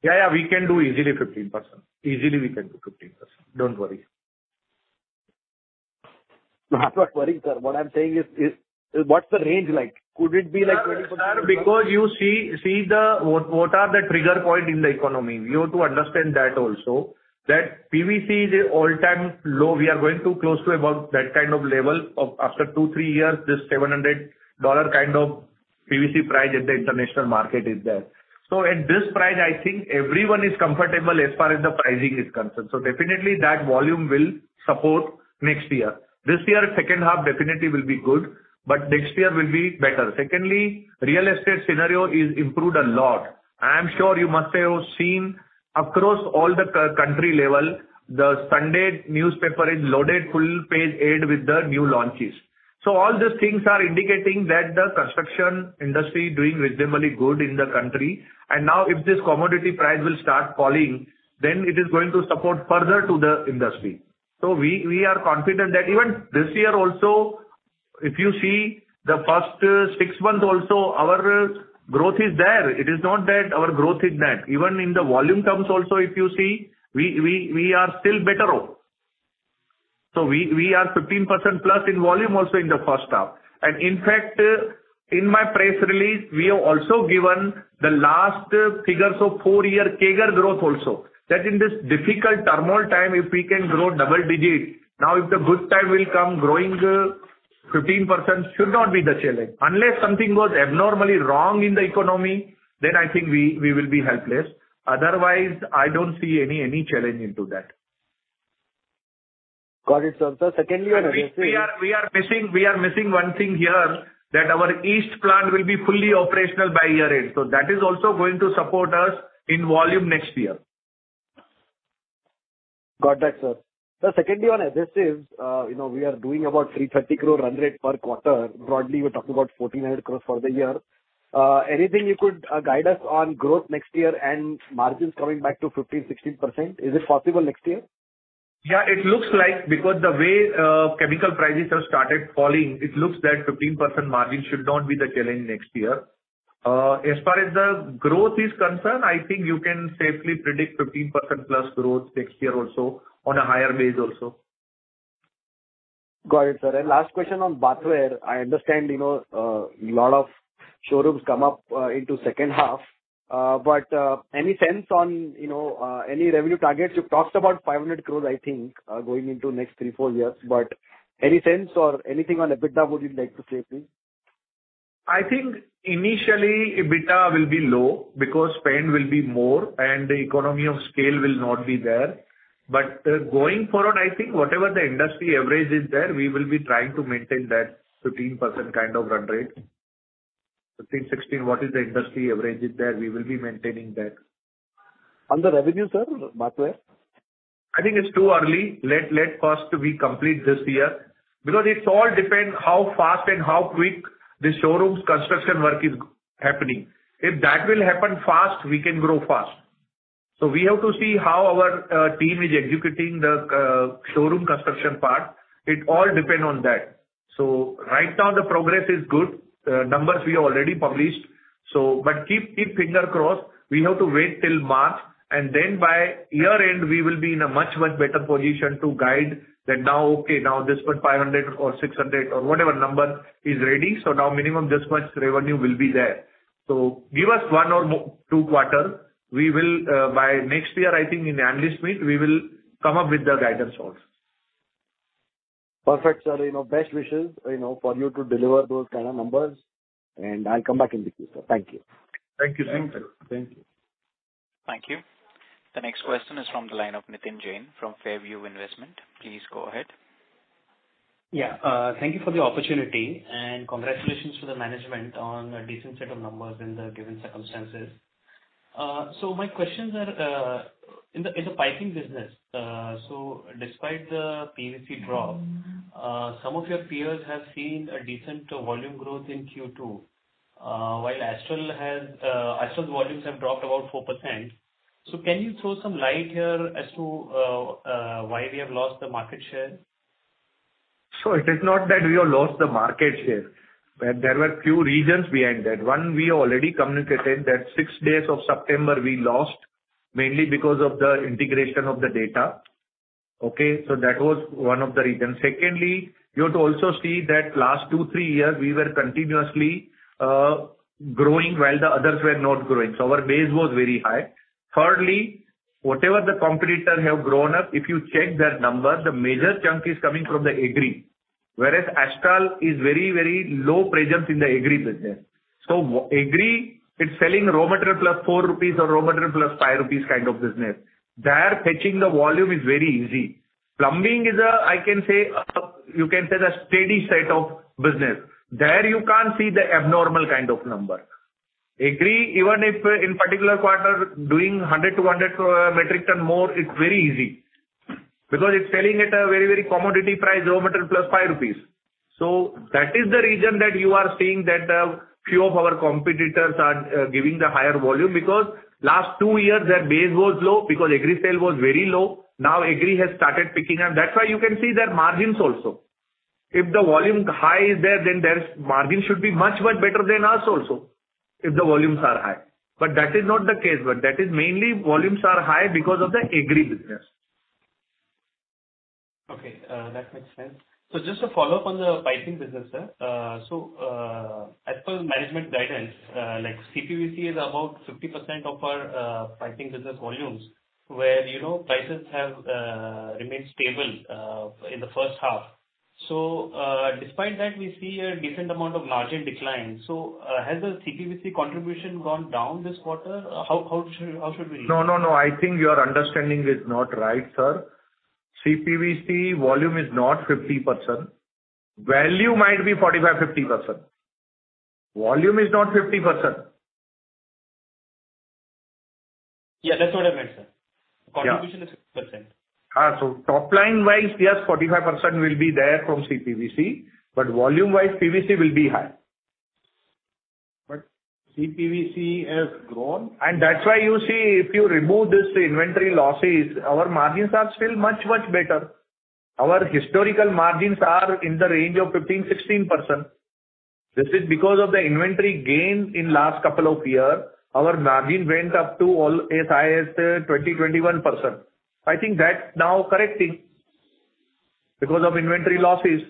Yeah, yeah. We can do easily 15%. Easily we can do 15%. Don't worry. I'm not worrying, sir. What I'm saying is what's the range like? Could it be like 20%? Sir, because you see what are the trigger points in the economy. We have to understand that also, that PVC is at an all-time low. We are going to close to about that kind of level after two, three years, this $700 kind of PVC price at the international market is there. At this price, I think everyone is comfortable as far as the pricing is concerned. Definitely that volume will support next year. This year, second half definitely will be good, but next year will be better. Secondly, real estate scenario is improved a lot. I am sure you must have seen across all the country level, the Sunday newspaper is loaded full-page ads with the new launches. All these things are indicating that the construction industry is doing reasonably good in the country. Now if this commodity price will start falling, then it is going to support further to the industry. We are confident that even this year also, if you see the first six months also, our growth is there. It is not that our growth is net. Even in the volume terms also if you see, we are still better off. We are 15%+ in volume also in the first half. In fact, in my press release, we have also given the last figures of four-year CAGR growth also. That in this difficult turmoil time, if we can grow double-digit, now if the good time will come, growing 15% should not be the challenge. Unless something goes abnormally wrong in the economy, then I think we will be helpless. Otherwise, I don't see any challenge in that. Got it, sir. Secondly on adhesives. We are missing one thing here, that our east plant will be fully operational by year-end. That is also going to support us in volume next year. Got that, sir. Secondly on adhesives, we are doing about 330 crore run rate per quarter. Broadly, we're talking about 1,400 crore for the year. Anything you could guide us on growth next year and margins coming back to 15%-16%? Is it possible next year? Yeah, it looks like because the way chemical prices have started falling, it looks that 15% margin should not be the challenge next year. As far as the growth is concerned, I think you can safely predict 15%+ growth next year also on a higher base also. Got it, sir. Last question on bathware. I understand, you know, lot of showrooms come up into second half. Any sense on, you know, any revenue targets? You talked about 500 crore, I think, going into next three, four years. Any sense or anything on EBITDA would you like to say, please? I think initially EBITDA will be low because spend will be more and the economy of scale will not be there. Going forward, I think whatever the industry average is there, we will be trying to maintain that 15% kind of run rate. 15%, 16%, what is the industry average is there, we will be maintaining that. On the revenue, sir, bathware? I think it's too early. Let first we complete this year. Because it all depends how fast and how quick the showrooms construction work is happening. If that will happen fast, we can grow fast. We have to see how our team is executing the showroom construction part. It all depend on that. Right now the progress is good. Numbers we already published. But keep fingers crossed. We have to wait till March, and then by year-end we will be in a much better position to guide that now. Okay, now this much 500 or 600 or whatever number is ready. Now minimum this much revenue will be there. Give us one or two quarters. We will by next year. I think in the analyst meet, we will come up with the guidance also. Perfect, sir. You know, best wishes, you know, for you to deliver those kind of numbers, and I'll come back in the queue, sir. Thank you. Thank you. Thank you. Thanks, sir. Thank you. Thank you. The next question is from the line of Nitin Jain from Fairview Investments. Please go ahead. Yeah. Thank you for the opportunity, and congratulations to the management on a decent set of numbers in the given circumstances. My questions are, in the piping business, so despite the PVC drop, some of your peers have seen a decent volume growth in Q2, while Astral's volumes have dropped about 4%. Can you throw some light here as to why we have lost the market share? It is not that we have lost the market share. There were few reasons behind that. One, we already communicated that six days of September we lost mainly because of the integration of the data. Okay? That was one of the reasons. Secondly, you have to also see that last two, three years, we were continuously growing while the others were not growing. Our base was very high. Thirdly, whatever the competitor have grown up, if you check their numbers, the major chunk is coming from the agri. Whereas Astral is very, very low presence in the agri business. Agri, it's selling raw material plus 4 rupees or raw material plus 5 rupees kind of business. There fetching the volume is very easy. Plumbing is a, I can say, you can say the steady state of business. There you can't see the abnormal kind of number. Agree, even if, in particular quarter doing 100 to 100 metric ton more, it's very easy. Because it's selling at a very, very commodity price, raw material plus 5 rupees. That is the reason that you are seeing that few of our competitors are giving the higher volume because last two years their base was low because agri sale was very low. Now, agri has started picking up. That's why you can see their margins also. If the volume high is there, then their margin should be much, much better than us also, if the volumes are high. That is not the case. That is mainly volumes are high because of the agri business. Okay, that makes sense. Just a follow-up on the piping business, sir. As per management guidance, like CPVC is about 50% of our piping business volumes, where, you know, prices have remained stable in the first half. Despite that we see a decent amount of margin decline. Has the CPVC contribution gone down this quarter? How should we read it? No, no. I think your understanding is not right, sir. CPVC volume is not 50%. Value might be 45%-50%. Volume is not 50%. Yeah, that's what I meant, sir. Yeah. Contribution is 50%. Top line wise, yes, 45% will be there from CPVC, but volume wise PVC will be high. CPVC has grown. That's why you see if you remove this inventory losses, our margins are still much, much better. Our historical margins are in the range of 15%-16%. This is because of the inventory gain in last couple of year, our margin went up to as high as 20%-21%. I think that's now correcting because of inventory losses.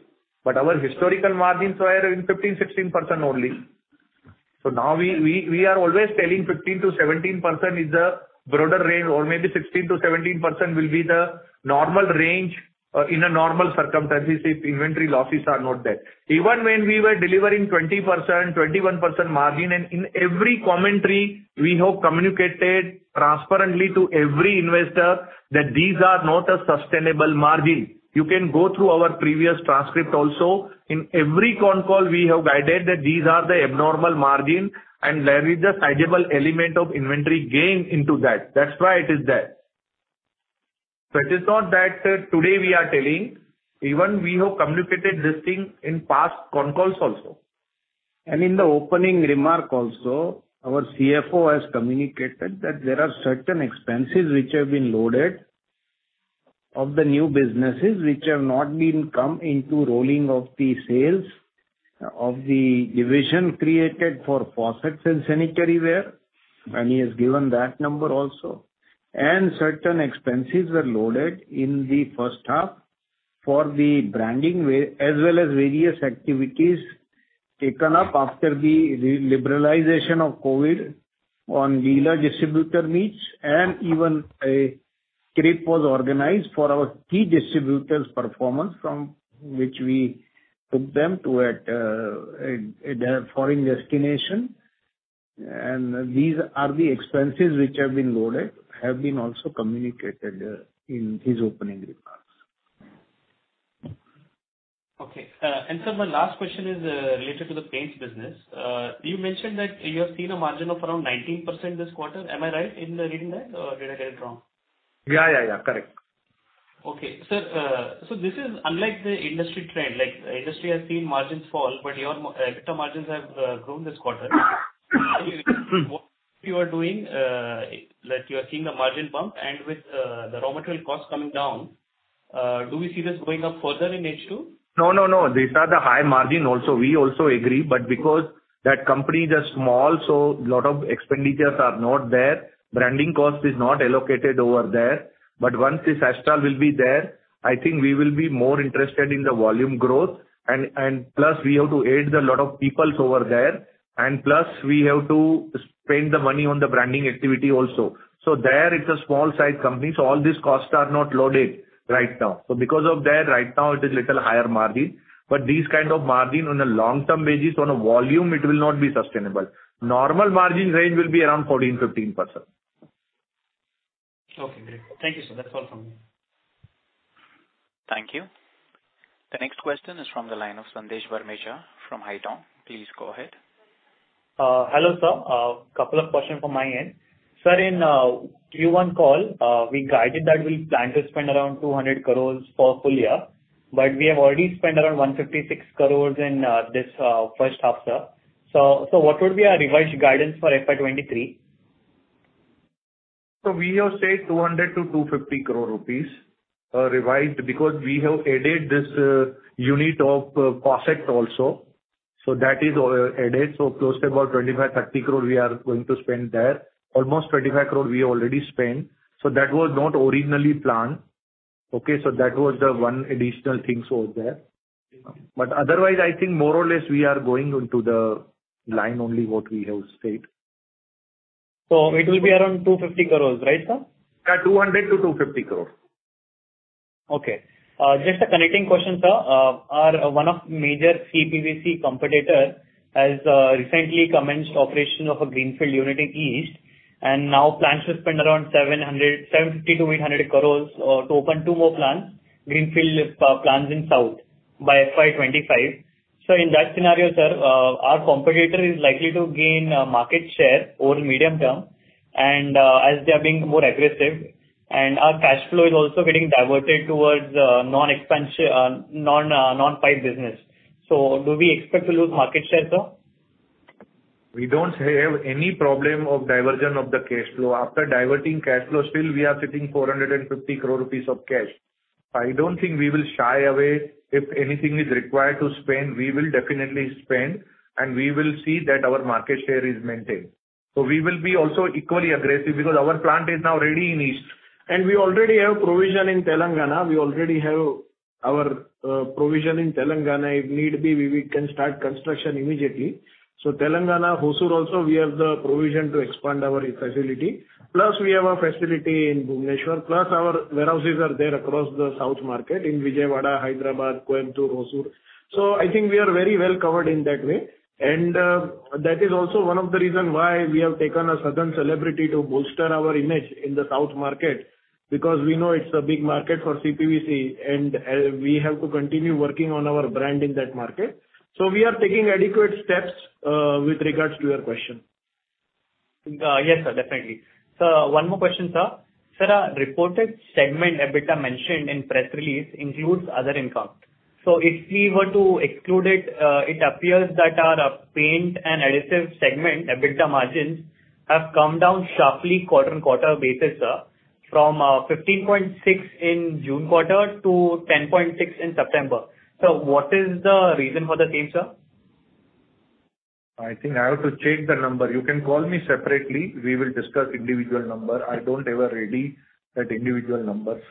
Our historical margins were in 15%-16% only. Now we are always telling 15%-17% is the broader range or maybe 16%-17% will be the normal range, in normal circumstances if inventory losses are not there. Even when we were delivering 20%, 21% margin, in every commentary we have communicated transparently to every investor that these are not a sustainable margin. You can go through our previous transcript also. In every con call we have guided that these are the abnormal margin and there is a sizable element of inventory gain into that. That's why it is there. It is not that today we are telling, even we have communicated this thing in past con calls also. In the opening remark also, our CFO has communicated that there are certain expenses which have been loaded of the new businesses which have not been come into rolling of the sales of the division created for faucets and sanitaryware, and he has given that number also. Certain expenses were loaded in the first half for the branding as well as various activities taken up after the re-liberalization of COVID on dealer distributor meets and even a trip was organized for our key distributors' performance from which we took them to their foreign destination. These are the expenses which have been loaded, have been also communicated, in his opening remarks. Okay. Sir, my last question is related to the paints business. You mentioned that you have seen a margin of around 19% this quarter. Am I right in reading that or did I get it wrong? Yeah, yeah. Correct. Okay. Sir, this is unlike the industry trend. Like, industry has seen margins fall, but your EBITDA margins have grown this quarter. What you are doing, like you are seeing a margin bump and with the raw material costs coming down, do we see this going up further in H2? No, no. These are the high margin also. We also agree, but because those companies are small, so a lot of expenditures are not there. Branding cost is not allocated over there. Once this Astral will be there, I think we will be more interested in the volume growth and plus we have to add a lot of people over there. Plus we have to spend the money on the branding activity also. There it's a small size company, so all these costs are not loaded right now. Because of that, right now it is a little higher margin. These kind of margin on a long-term basis on a volume, it will not be sustainable. Normal margin range will be around 14%-15%. Okay, great. Thank you, sir. That's all from me. Thank you. The next question is from the line of Sandesh Barmecha from Haitong. Please go ahead. Hello, sir. Couple of questions from my end. Sir, in Q1 call, we guided that we plan to spend around 200 crore for full year, but we have already spent around 156 crore in this first half, sir. What would be our revised guidance for FY 2023? We have said 200 crore-250 crore rupees, revised because we have added this unit of faucet also. That is added. Close to about 25 crore-30 crore we are going to spend there. Almost 25 crore we already spent. That was not originally planned. Okay. That was the one additional things over there. Otherwise I think more or less we are going into the line only what we have said. It will be around 250 crore, right, sir? Yeah, 200 crores-250 crores. Okay. Just a connecting question, sir. Our one of major CPVC competitor has recently commenced operation of a greenfield unit in east and now plans to spend around 700, 750 crore-800 crores to open two more greenfield plants in South by FY 2025. In that scenario, sir, our competitor is likely to gain market share over medium term and, as they are being more aggressive, and our cash flow is also getting diverted towards non-pipe business. Do we expect to lose market share, sir? We don't have any problem of diversion of the cash flow. After diverting cash flow, still we are sitting 450 crore rupees of cash. I don't think we will shy away. If anything is required to spend, we will definitely spend, and we will see that our market share is maintained. We will be also equally aggressive because our plant is now ready in east and we already have provision in Telangana. If need be, we can start construction immediately. Telangana, Hosur also, we have the provision to expand our e-facility. Plus we have a facility in Bhubaneswar. Plus our warehouses are there across the South market in Vijayawada, Hyderabad, Coimbatore, Hosur. I think we are very well covered in that way. That is also one of the reasons why we have taken a southern celebrity to bolster our image in the south market, because we know it's a big market for CPVC, and we have to continue working on our brand in that market. We are taking adequate steps with regard to your question. Yes, sir. Definitely. One more question, sir. Sir, reported segment EBITDA mentioned in press release includes other income. If we were to exclude it appears that our paint and adhesive segment EBITDA margins have come down sharply quarter-on-quarter basis, sir, from 15.6% in June quarter to 10.6% in September. What is the reason for the same, sir? I think I have to check the number. You can call me separately. We will discuss individual number. I don't have it ready, that individual numbers.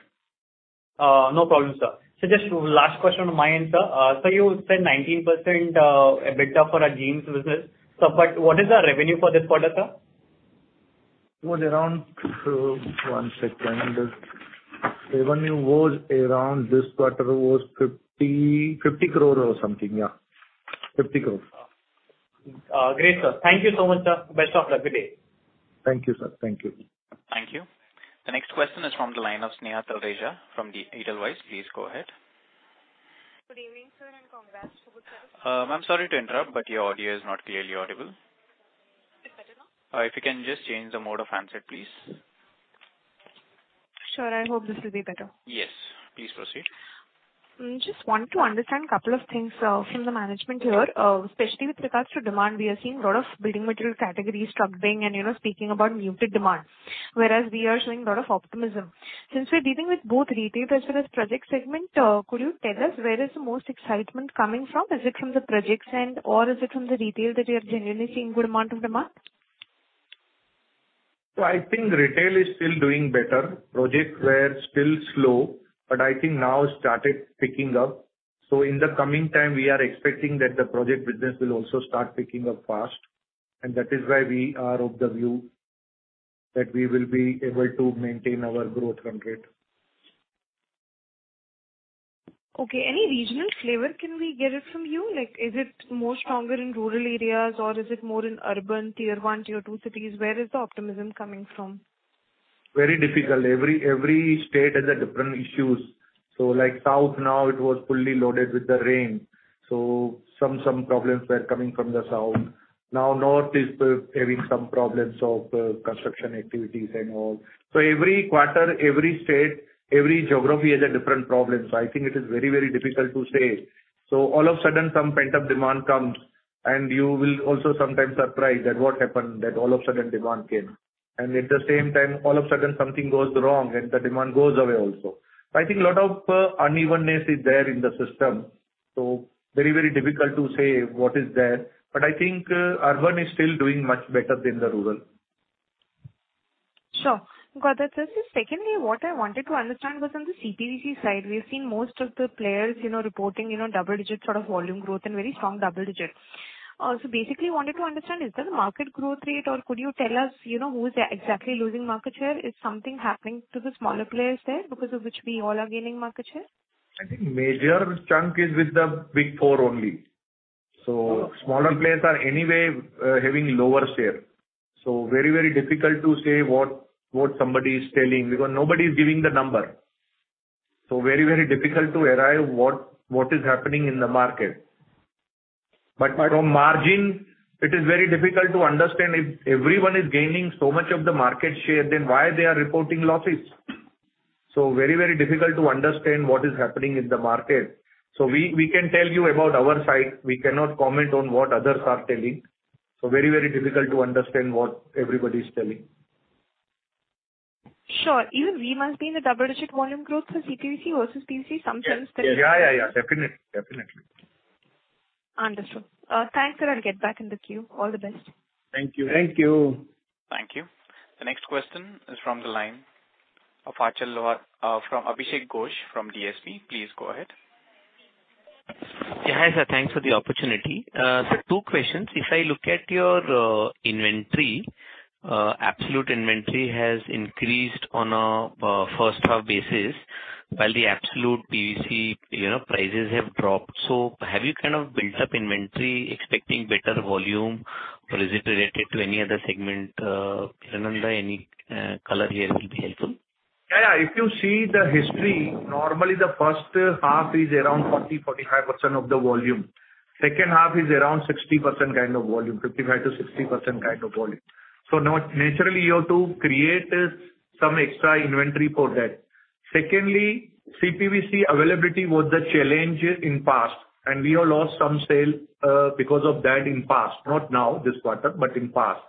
No problem, sir. Just last question of mine, sir. You said 19% EBITDA for our Gem business. What is our revenue for this quarter, sir? It was around one second. Revenue was around this quarter was 50 crore or something, yeah. 50 crore. Great, sir. Thank you so much, sir. Best of luck. Good day. Thank you, sir. Thank you. Thank you. The next question is from the line of Sneha Talreja from the Edelweiss. Please go ahead. Good evening, sir, and congrats. Ma'am, sorry to interrupt, but your audio is not clearly audible. Is this better now? If you can just change the mode of handset, please. Sure. I hope this will be better. Yes. Please proceed. Just want to understand a couple of things, from the management here, especially with regards to demand. We are seeing a lot of building material categories struggling and, you know, speaking about muted demand, whereas we are showing a lot of optimism. Since we're dealing with both retail as well as project segment, could you tell us where is the most excitement coming from? Is it from the projects end, or is it from the retail that you are generally seeing good amount of demand? I think retail is still doing better. Projects were still slow, but I think now started picking up. In the coming time, we are expecting that the project business will also start picking up fast, and that is why we are of the view that we will be able to maintain our growth run rate. Okay. Any regional flavor can we get it from you? Like, is it more stronger in rural areas or is it more in urban tier one, tier two cities? Where is the optimism coming from? Very difficult. Every state has different issues. Like South now, it was fully loaded with the rain, so some problems were coming from the South. Now North is having some problems of construction activities and all. Every quarter, every state, every geography has a different problem. I think it is very, very difficult to say. All of a sudden some pent-up demand comes, and you will also sometimes surprised that what happened that all of a sudden demand came. At the same time, all of a sudden something goes wrong and the demand goes away also. I think a lot of unevenness is there in the system, so very, very difficult to say what is there. I think urban is still doing much better than the rural. Sure. Got that, sir. Secondly, what I wanted to understand was on the CPVC side. We've seen most of the players, you know, reporting, you know, double-digit sort of volume growth and very strong double digits. So basically wanted to understand, is that the market growth rate or could you tell us, you know, who is exactly losing market share? Is something happening to the smaller players there because of which we all are gaining market share? I think major chunk is with the big four only. Smaller players are anyway, having lower share. Very, very difficult to say what somebody is telling because nobody is giving the number. Very, very difficult to arrive what is happening in the market. From margin, it is very difficult to understand. If everyone is gaining so much of the market share, then why they are reporting losses? Very, very difficult to understand what is happening in the market. We can tell you about our side. We cannot comment on what others are telling. Very, very difficult to understand what everybody's telling. Sure. Even we must be in the double-digit volume growth for CPVC versus PVC, some sense there. Yeah. Definitely. Understood. Thanks, sir. I'll get back in the queue. All the best. Thank you. Thank you. Thank you. The next question is from the line of Achal, from Abhishek Ghosh from DSP. Please go ahead. Yeah, hi, sir. Thanks for the opportunity. Sir, two questions. If I look at your inventory, absolute inventory has increased on a first half basis, while the absolute PVC, you know, prices have dropped. Have you kind of built up inventory expecting better volume? Is it related to any other segment any color here will be helpful? Yeah, yeah. If you see the history, normally the first half is around 40%-45% of the volume. Second half is around 60% kind of volume, 55%-60% kind of volume. Now naturally, you have to create some extra inventory for that. Secondly, CPVC availability was the challenge in past, and we have lost some sales because of that in past, not now this quarter, but in past.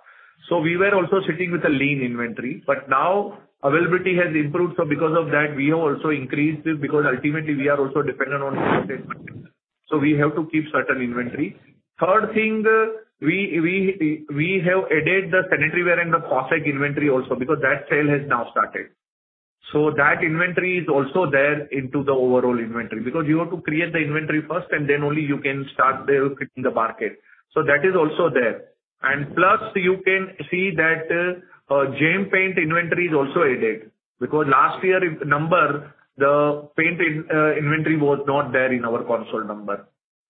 We were also sitting with a lean inventory. Now availability has improved, so because of that we have also increased it because ultimately we are also dependent on so we have to keep certain inventory. Third thing, we have added the sanitaryware and the faucet inventory also because that sale has now started. That inventory is also there into the overall inventory. Because you have to create the inventory first and then only you can start the hitting the market. That is also there. Plus you can see that, Gem Paints inventory is also added. Because last year number, the paint inventory was not there in our consolidated number.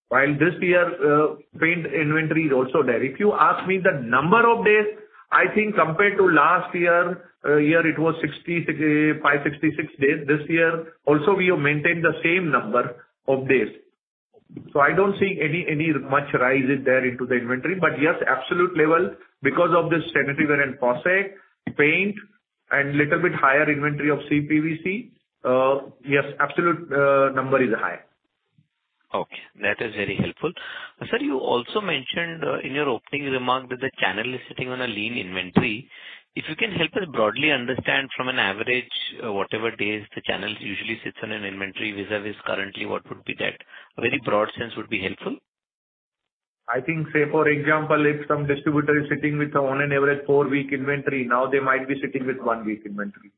While this year, paint inventory is also there. If you ask me the number of days, I think compared to last year, it was 65, 66 days. This year also we have maintained the same number of days. I don't see any much rise there into the inventory. Yes, absolute level because of this sanitaryware and faucet, paint and little bit higher inventory of CPVC, yes, absolute number is high. Okay, that is very helpful. Sir, you also mentioned in your opening remark that the channel is sitting on a lean inventory. If you can help us broadly understand from an average, whatever days the channels usually sits on an inventory vis-a-vis currently what would be that? A very broad sense would be helpful. I think, say for example, if some distributor is sitting with on an average four-week inventory, now they might be sitting with 1-week inventory.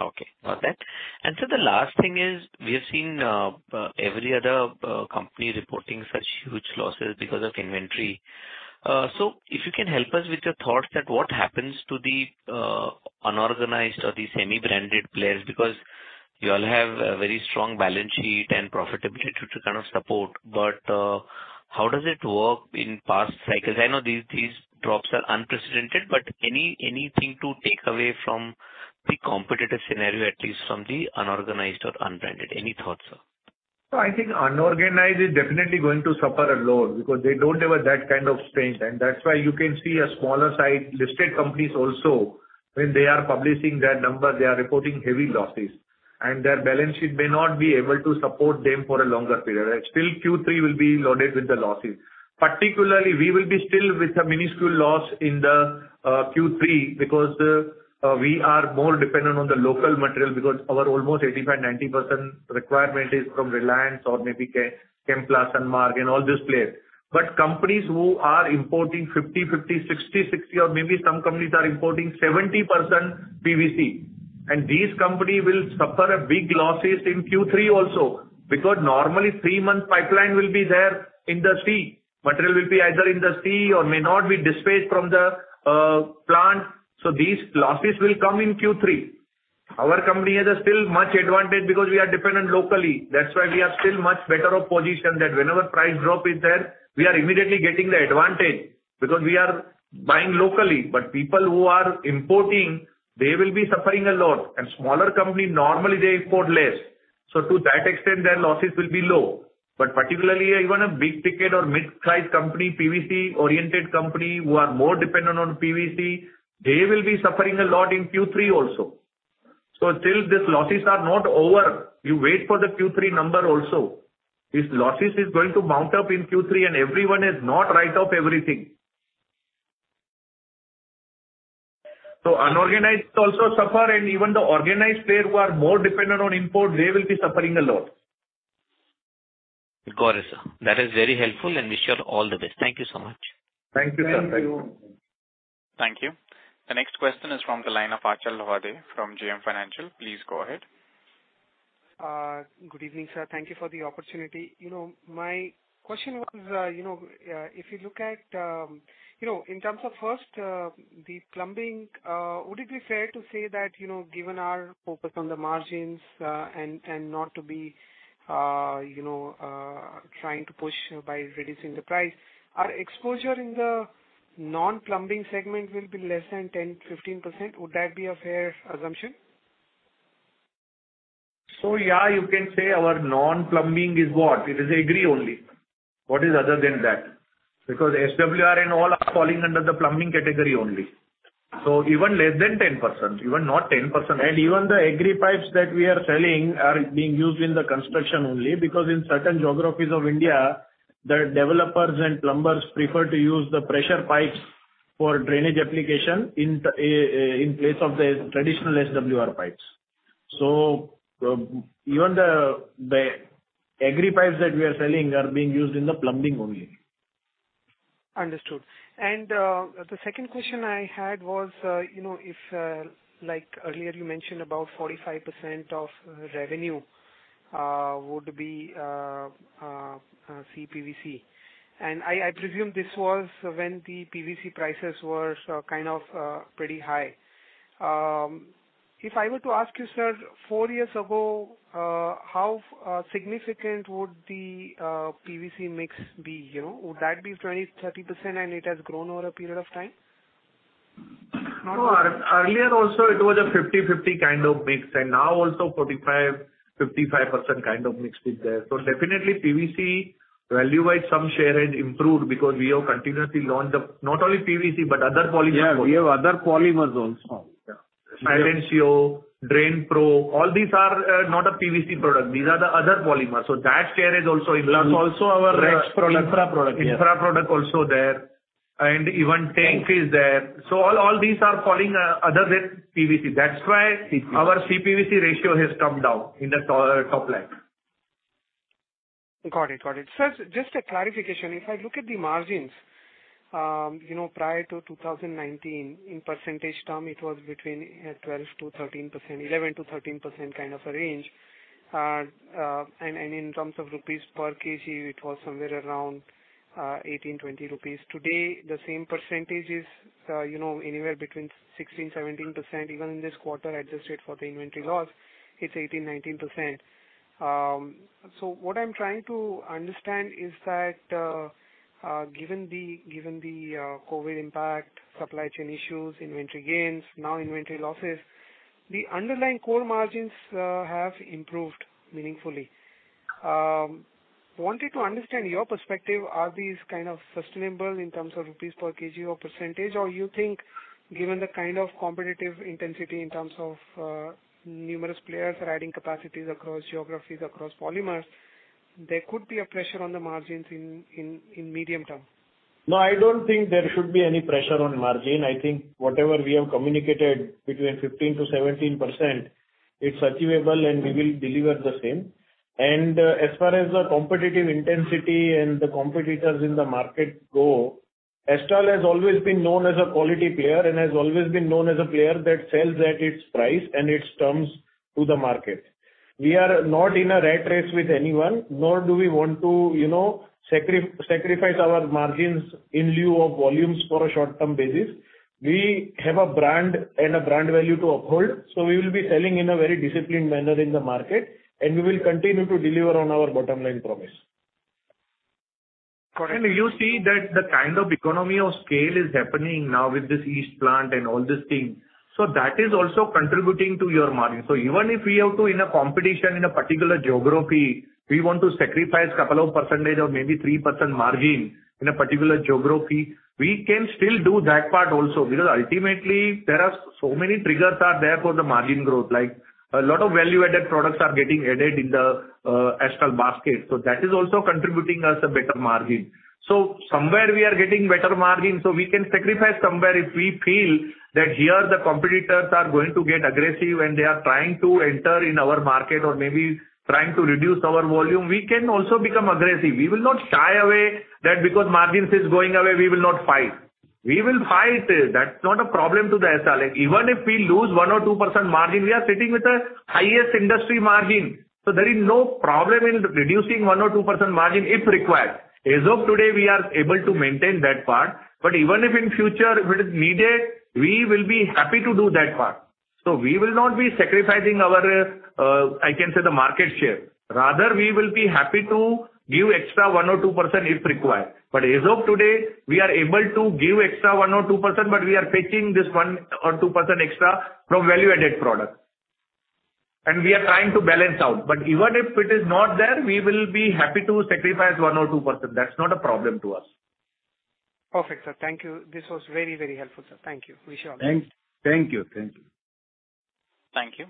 Okay. Okay. Got that. The last thing is we have seen every other company reporting such huge losses because of inventory. If you can help us with your thoughts that what happens to the unorganized or the semi-branded players, because you all have a very strong balance sheet and profitability to kind of support. How does it work in past cycles? I know these drops are unprecedented, but anything to take away from the competitive scenario, at least from the unorganized or unbranded? Any thoughts, sir? I think unorganized is definitely going to suffer a lot because they don't have that kind of strength. That's why you can see a smaller size listed companies also, when they are publishing their numbers, they are reporting heavy losses. Their balance sheet may not be able to support them for a longer period. Still Q3 will be loaded with the losses. Particularly, we will be still with a minuscule loss in the Q3 because we are more dependent on the local material because our almost 85-90% requirement is from Reliance or maybe Chemplast and Marg and all these players. Companies who are importing 50/50, 60/60 or maybe some companies are importing 70% PVC, and these companies will suffer big losses in Q3 also. Normally three-month pipeline will be there in the sea. Material will be either in the sea or may not be dispatched from the plant. These losses will come in Q3. Our company has a still much advantage because we are dependent locally. That's why we are still much better off position that whenever price drop is there, we are immediately getting the advantage because we are buying locally. People who are importing, they will be suffering a lot. Smaller company, normally they import less. To that extent, their losses will be low. Particularly even a big ticket or mid-size company, PVC-oriented company who are more dependent on PVC, they will be suffering a lot in Q3 also. Till these losses are not over, you wait for the Q3 number also. These losses is going to mount up in Q3 and everyone has not write off everything. Unorganized also suffer and even the organized player who are more dependent on imports, they will be suffering a lot. Got it, sir. That is very helpful and wish you all the best. Thank you so much. Thank you, sir. Thank you. Thank you. The next question is from the line of Achal Lohade from JM Financial. Please go ahead. Good evening, sir. Thank you for the opportunity. You know, my question was, you know, if you look at, you know, in terms of first, the plumbing, would it be fair to say that, you know, given our focus on the margins, and not to be, you know, trying to push by reducing the price, our exposure in the non-plumbing segment will be less than 10%-15%. Would that be a fair assumption? Yeah, you can say our non-plumbing is what? It is agri only. What is other than that? Because SWR and all are falling under the plumbing category only. Even less than 10%, even not 10%. Even the agri pipes that we are selling are being used in the construction only because in certain geographies of India, the developers and plumbers prefer to use the pressure pipes for drainage application in place of the traditional SWR pipes. Even the agri pipes that we are selling are being used in the plumbing only. Understood. The second question I had was, you know, if, like earlier you mentioned about 45% of revenue would be CPVC. I presume this was when the PVC prices were kind of pretty high. If I were to ask you, sir, four years ago, how significant would the PVC mix be, you know? Would that be 20%, 30% and it has grown over a period of time? No. Earlier also it was a 50/50 kind of mix, and now also 45%-55% kind of mix is there. Definitely PVC value-wise some share has improved because we have continuously launched not only PVC, but other polymers also. Yeah, we have other polymers also. Yeah. Silencio, DrainPro, all these are not a PVC product. These are the other polymers. That share has also improved. Plus also our infra product. Infra product also there. Even tank is there. All these are falling, other than PVC. That's why. CPVC. Our CPVC ratio has come down in the top line. Got it. Sir, just a clarification. If I look at the margins, you know, prior to 2019, in percentage term, it was between 12%-13%, 11%-13% kind of a range. And in terms of rupees per kg, it was somewhere around 18-20 rupees. Today, the same percentage is, you know, anywhere between 16%-17%. Even in this quarter, adjusted for the inventory loss, it's 18%-19%. So what I'm trying to understand is that, given the COVID impact, supply chain issues, inventory gains, now inventory losses, the underlying core margins have improved meaningfully. Wanted to understand your perspective. Are these kind of sustainable in terms of rupees per kg or percentage? You think given the kind of competitive intensity in terms of, numerous players adding capacities across geographies, across polymers, there could be a pressure on the margins in medium term? No, I don't think there should be any pressure on margin. I think whatever we have communicated between 15%-17%, it's achievable, and we will deliver the same. As far as the competitive intensity and the competitors in the market go, Astral has always been known as a quality player and has always been known as a player that sells at its price and its terms to the market. We are not in a rat race with anyone, nor do we want to, you know, sacrifice our margins in lieu of volumes for a short-term basis. We have a brand and a brand value to uphold, so we will be selling in a very disciplined manner in the market, and we will continue to deliver on our bottom line promise. Correct. You see that the kind of economy of scale is happening now with this east plant and all these things, so that is also contributing to your margin. Even if we have to, in a competition in a particular geography, we want to sacrifice couple of percentage or maybe 3% margin in a particular geography, we can still do that part also. Ultimately there are so many triggers are there for the margin growth. Like a lot of value-added products are getting added in the Astral basket. That is also contributing us a better margin. Somewhere we are getting better margin, so we can sacrifice somewhere if we feel that here the competitors are going to get aggressive and they are trying to enter in our market or maybe trying to reduce our volume, we can also become aggressive. We will not shy away that because margins is going away, we will not fight. We will fight. That's not a problem to the Astral. Even if we lose 1% or 2% margin, we are sitting with the highest industry margin. There is no problem in reducing 1% or 2% margin if required. As of today, we are able to maintain that part. Even if in future if it is needed, we will be happy to do that part. We will not be sacrificing our, I can say, the market share. Rather, we will be happy to give extra 1% or 2% if required. As of today, we are able to give extra 1% or 2%, but we are fetching this 1% or 2% extra from value-added product. We are trying to balance out. Even if it is not there, we will be happy to sacrifice 1% or 2%. That's not a problem to us. Perfect, sir. Thank you. This was very, very helpful, sir. Thank you. Wish you all the best. Thank you. Thank you.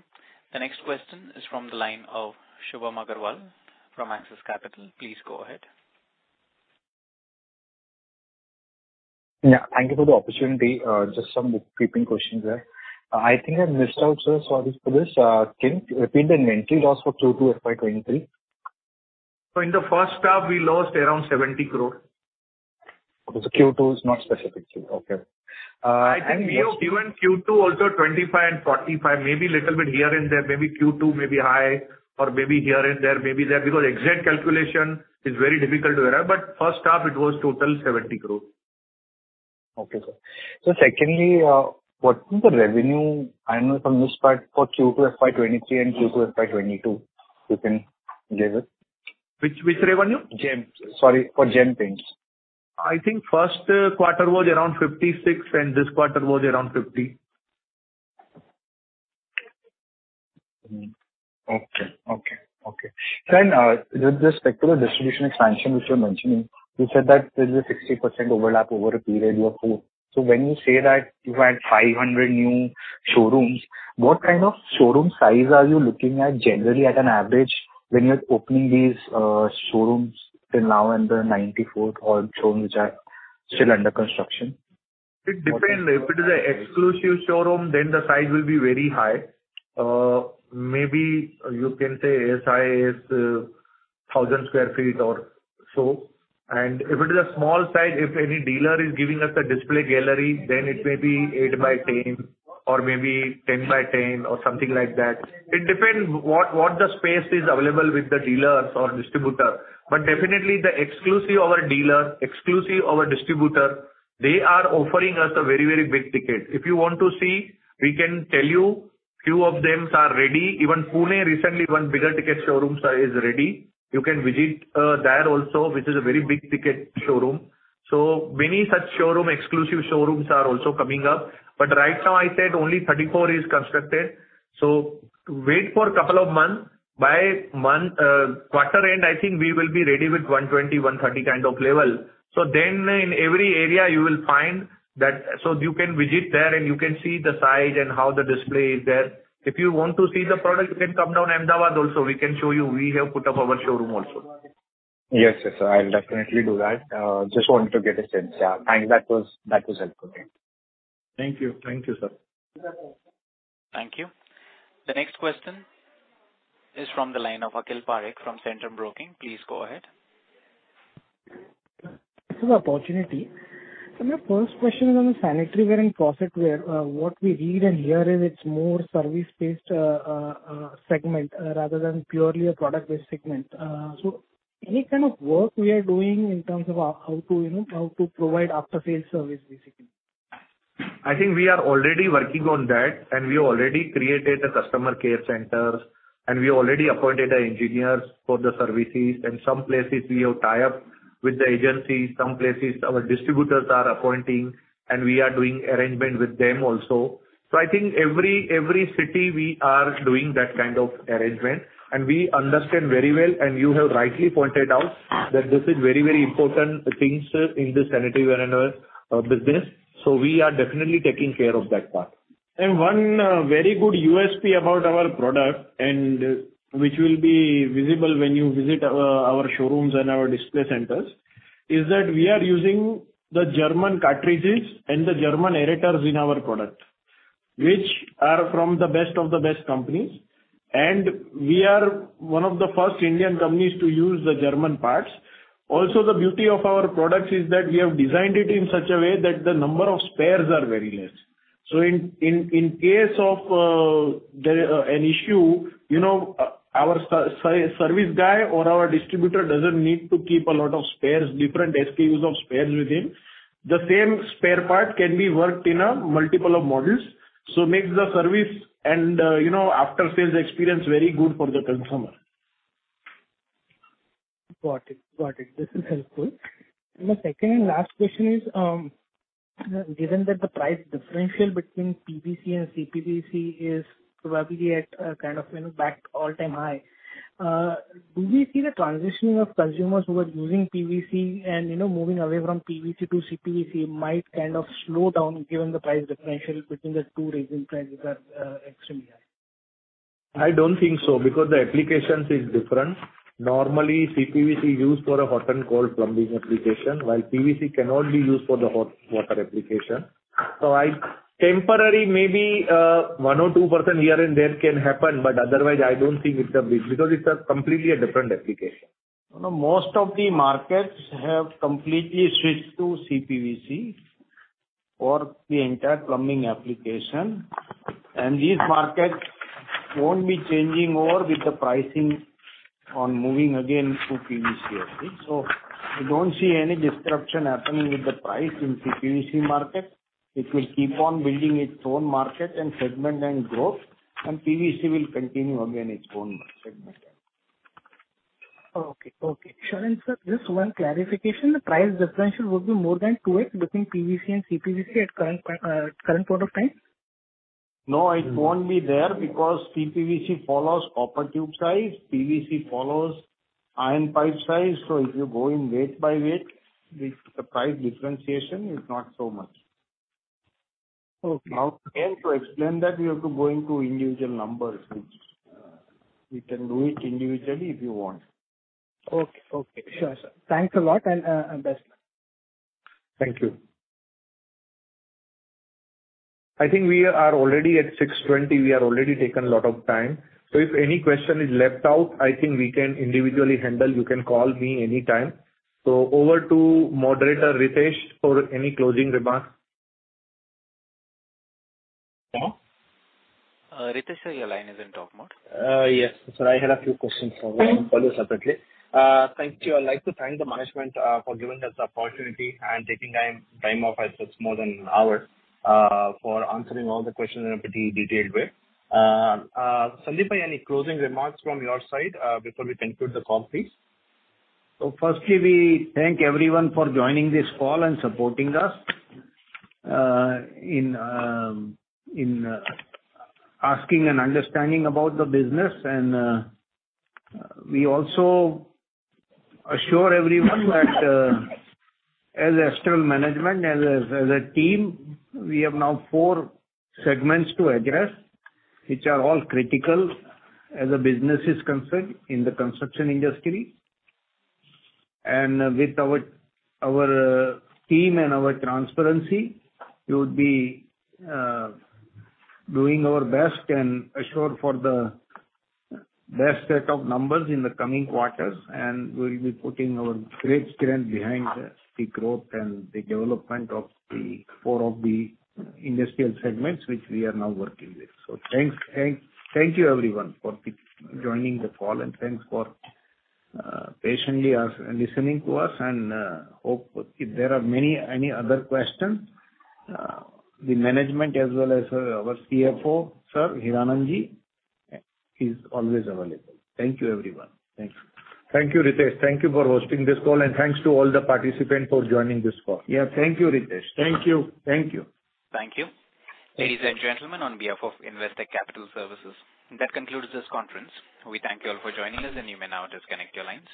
The next question is from the line of Shubham Agarwal from Axis Capital. Please go ahead. Yeah, thank you for the opportunity. Just a couple of questions there. I think I missed out, sir, sorry for this. Can you repeat the inventory loss for Q2 FY 2023? In the first half we lost around 70 crore. Okay. Q2 is not specific. Okay. I think we have given Q2 also 25 and 45, maybe little bit here and there. Maybe Q2 may be high or maybe here and there, maybe there. Because exact calculation is very difficult to arrive. First half it was total 70 crore. Okay, sir. Secondly, what is the revenue annual from this part for Q2 FY 2023 and Q2 FY 2022, you can give it? Which revenue? Sorry for Gem Paints. I think first quarter was around 56, and this quarter was around 50. Okay. With respect to the distribution expansion which you're mentioning, you said that there's a 60% overlap over a period of four. So when you say that you had 500 new showrooms, what kind of showroom size are you looking at generally at an average when you're opening these showrooms till now and the 94th showroom which are still under construction? It depends. If it is an exclusive showroom, then the size will be very high. Maybe you can say size 1,000 sq ft or so. If it is a small size, if any dealer is giving us a display gallery, then it may be eight by 10 or maybe 10 by 10 or something like that. It depends what the space is available with the dealers or distributor. Definitely the exclusive our dealer, exclusive our distributor. They are offering us a very big ticket. If you want to see, we can tell you few of them are ready. Even Pune recently one bigger ticket showroom, sir, is ready. You can visit there also, which is a very big ticket showroom. Many such showroom, exclusive showrooms are also coming up. Right now I said only 34 is constructed. Wait for couple of months. By month, quarter end, I think we will be ready with 120, 130 kind of level. Then in every area you will find that. You can visit there and you can see the size and how the display is there. If you want to see the product, you can come down Ahmedabad also. We can show you. We have put up our showroom also. Yes, yes, sir. I'll definitely do that. Just wanted to get a sense. Yeah, thanks. That was helpful. Thank you. Thank you. Thank you, sir. Thank you. The next question is from the line of Akhil Parekh from Centrum Broking. Please go ahead. This is opportunity. My first question is on the sanitaryware and faucet ware. What we read and hear is it's more service-based segment rather than purely a product-based segment. Any kind of work we are doing in terms of how to, you know, how to provide after-sales service basically? I think we are already working on that, and we already created the customer care centers, and we already appointed the engineers for the services. In some places we have tie-up with the agencies, some places our distributors are appointing, and we are doing arrangement with them also. I think every city we are doing that kind of arrangement. We understand very well, and you have rightly pointed out that this is very important things in the sanitaryware and our business, so we are definitely taking care of that part. One very good USP about our product and which will be visible when you visit our showrooms and our display centers is that we are using the German cartridges and the German aerators in our product, which are from the best of the best companies. We are one of the first Indian companies to use the German parts. Also, the beauty of our products is that we have designed it in such a way that the number of spares are very less. In case there is an issue, you know, our service guy or our distributor doesn't need to keep a lot of spares, different SKUs of spares with him. The same spare part can be worked in a multiple of models, so makes the service and, you know, after-sales experience very good for the consumer. Got it. This is helpful. The second and last question is, given that the price differential between PVC and CPVC is probably at a kind of, you know, all-time high, do we see the transitioning of consumers who are using PVC and, you know, moving away from PVC to CPVC might kind of slow down given the price differential between the two, rising prices are extremely high? I don't think so because the applications is different. Normally, CPVC used for a hot and cold plumbing application, while PVC cannot be used for the hot water application. Temporarily maybe, 1% or 2% here and there can happen, but otherwise I don't think it's a big, because it's a completely different application. You know, most of the markets have completely switched to CPVC for the entire plumbing application. These markets won't be changing over with the pricing on moving again to PVC, I think. We don't see any disruption happening with the price in CPVC market. It will keep on building its own market and segment and growth and PVC will continue again its own segment. Okay. Sir, just one clarification. The price differential would be more than 2x between PVC and CPVC at current point of time? No, it won't be there because CPVC follows copper tube size, PVC follows iron pipe size. If you go in weight by weight, the price differentiation is not so much. Okay. Now, again, to explain that we have to go into individual numbers, which we can do it individually if you want. Okay. Sure, sir. Thanks a lot, and best. Thank you. I think we are already at 6:20. We have already taken a lot of time. If any question is left out, I think we can individually handle. You can call me any time. Over to Moderator Ritesh for any closing remarks. Hello? Ritesh sir, your line is in talk mode. Yes. I had a few questions for you. I'll follow separately. Thank you. I'd like to thank the management for giving us the opportunity and taking time off. It's more than an hour for answering all the questions in a pretty detailed way. Sandeep, any closing remarks from your side before we conclude the call, please? Firstly, we thank everyone for joining this call and supporting us in asking and understanding about the business. We also assure everyone that, as Astral management, as a team, we have now four segments to address, which are all critical as a business is concerned in the construction industry. With our team and our transparency, we would be doing our best and assure for the best set of numbers in the coming quarters. We'll be putting our great strength behind the growth and the development of the four of the industrial segments which we are now working with. Thank you everyone for joining the call and thanks for patiently listening to us. Hope if there are any other questions, the management as well as our CFO, sir, Hiranand, is always available. Thank you everyone. Thanks. Thank you, Ritesh. Thank you for hosting this call. Thanks to all the participants for joining this call. Yeah. Thank you, Ritesh. Thank you. Thank you. Thank you. Ladies and gentlemen, on behalf of Investec Capital Services, that concludes this conference. We thank you all for joining us, and you may now disconnect your lines.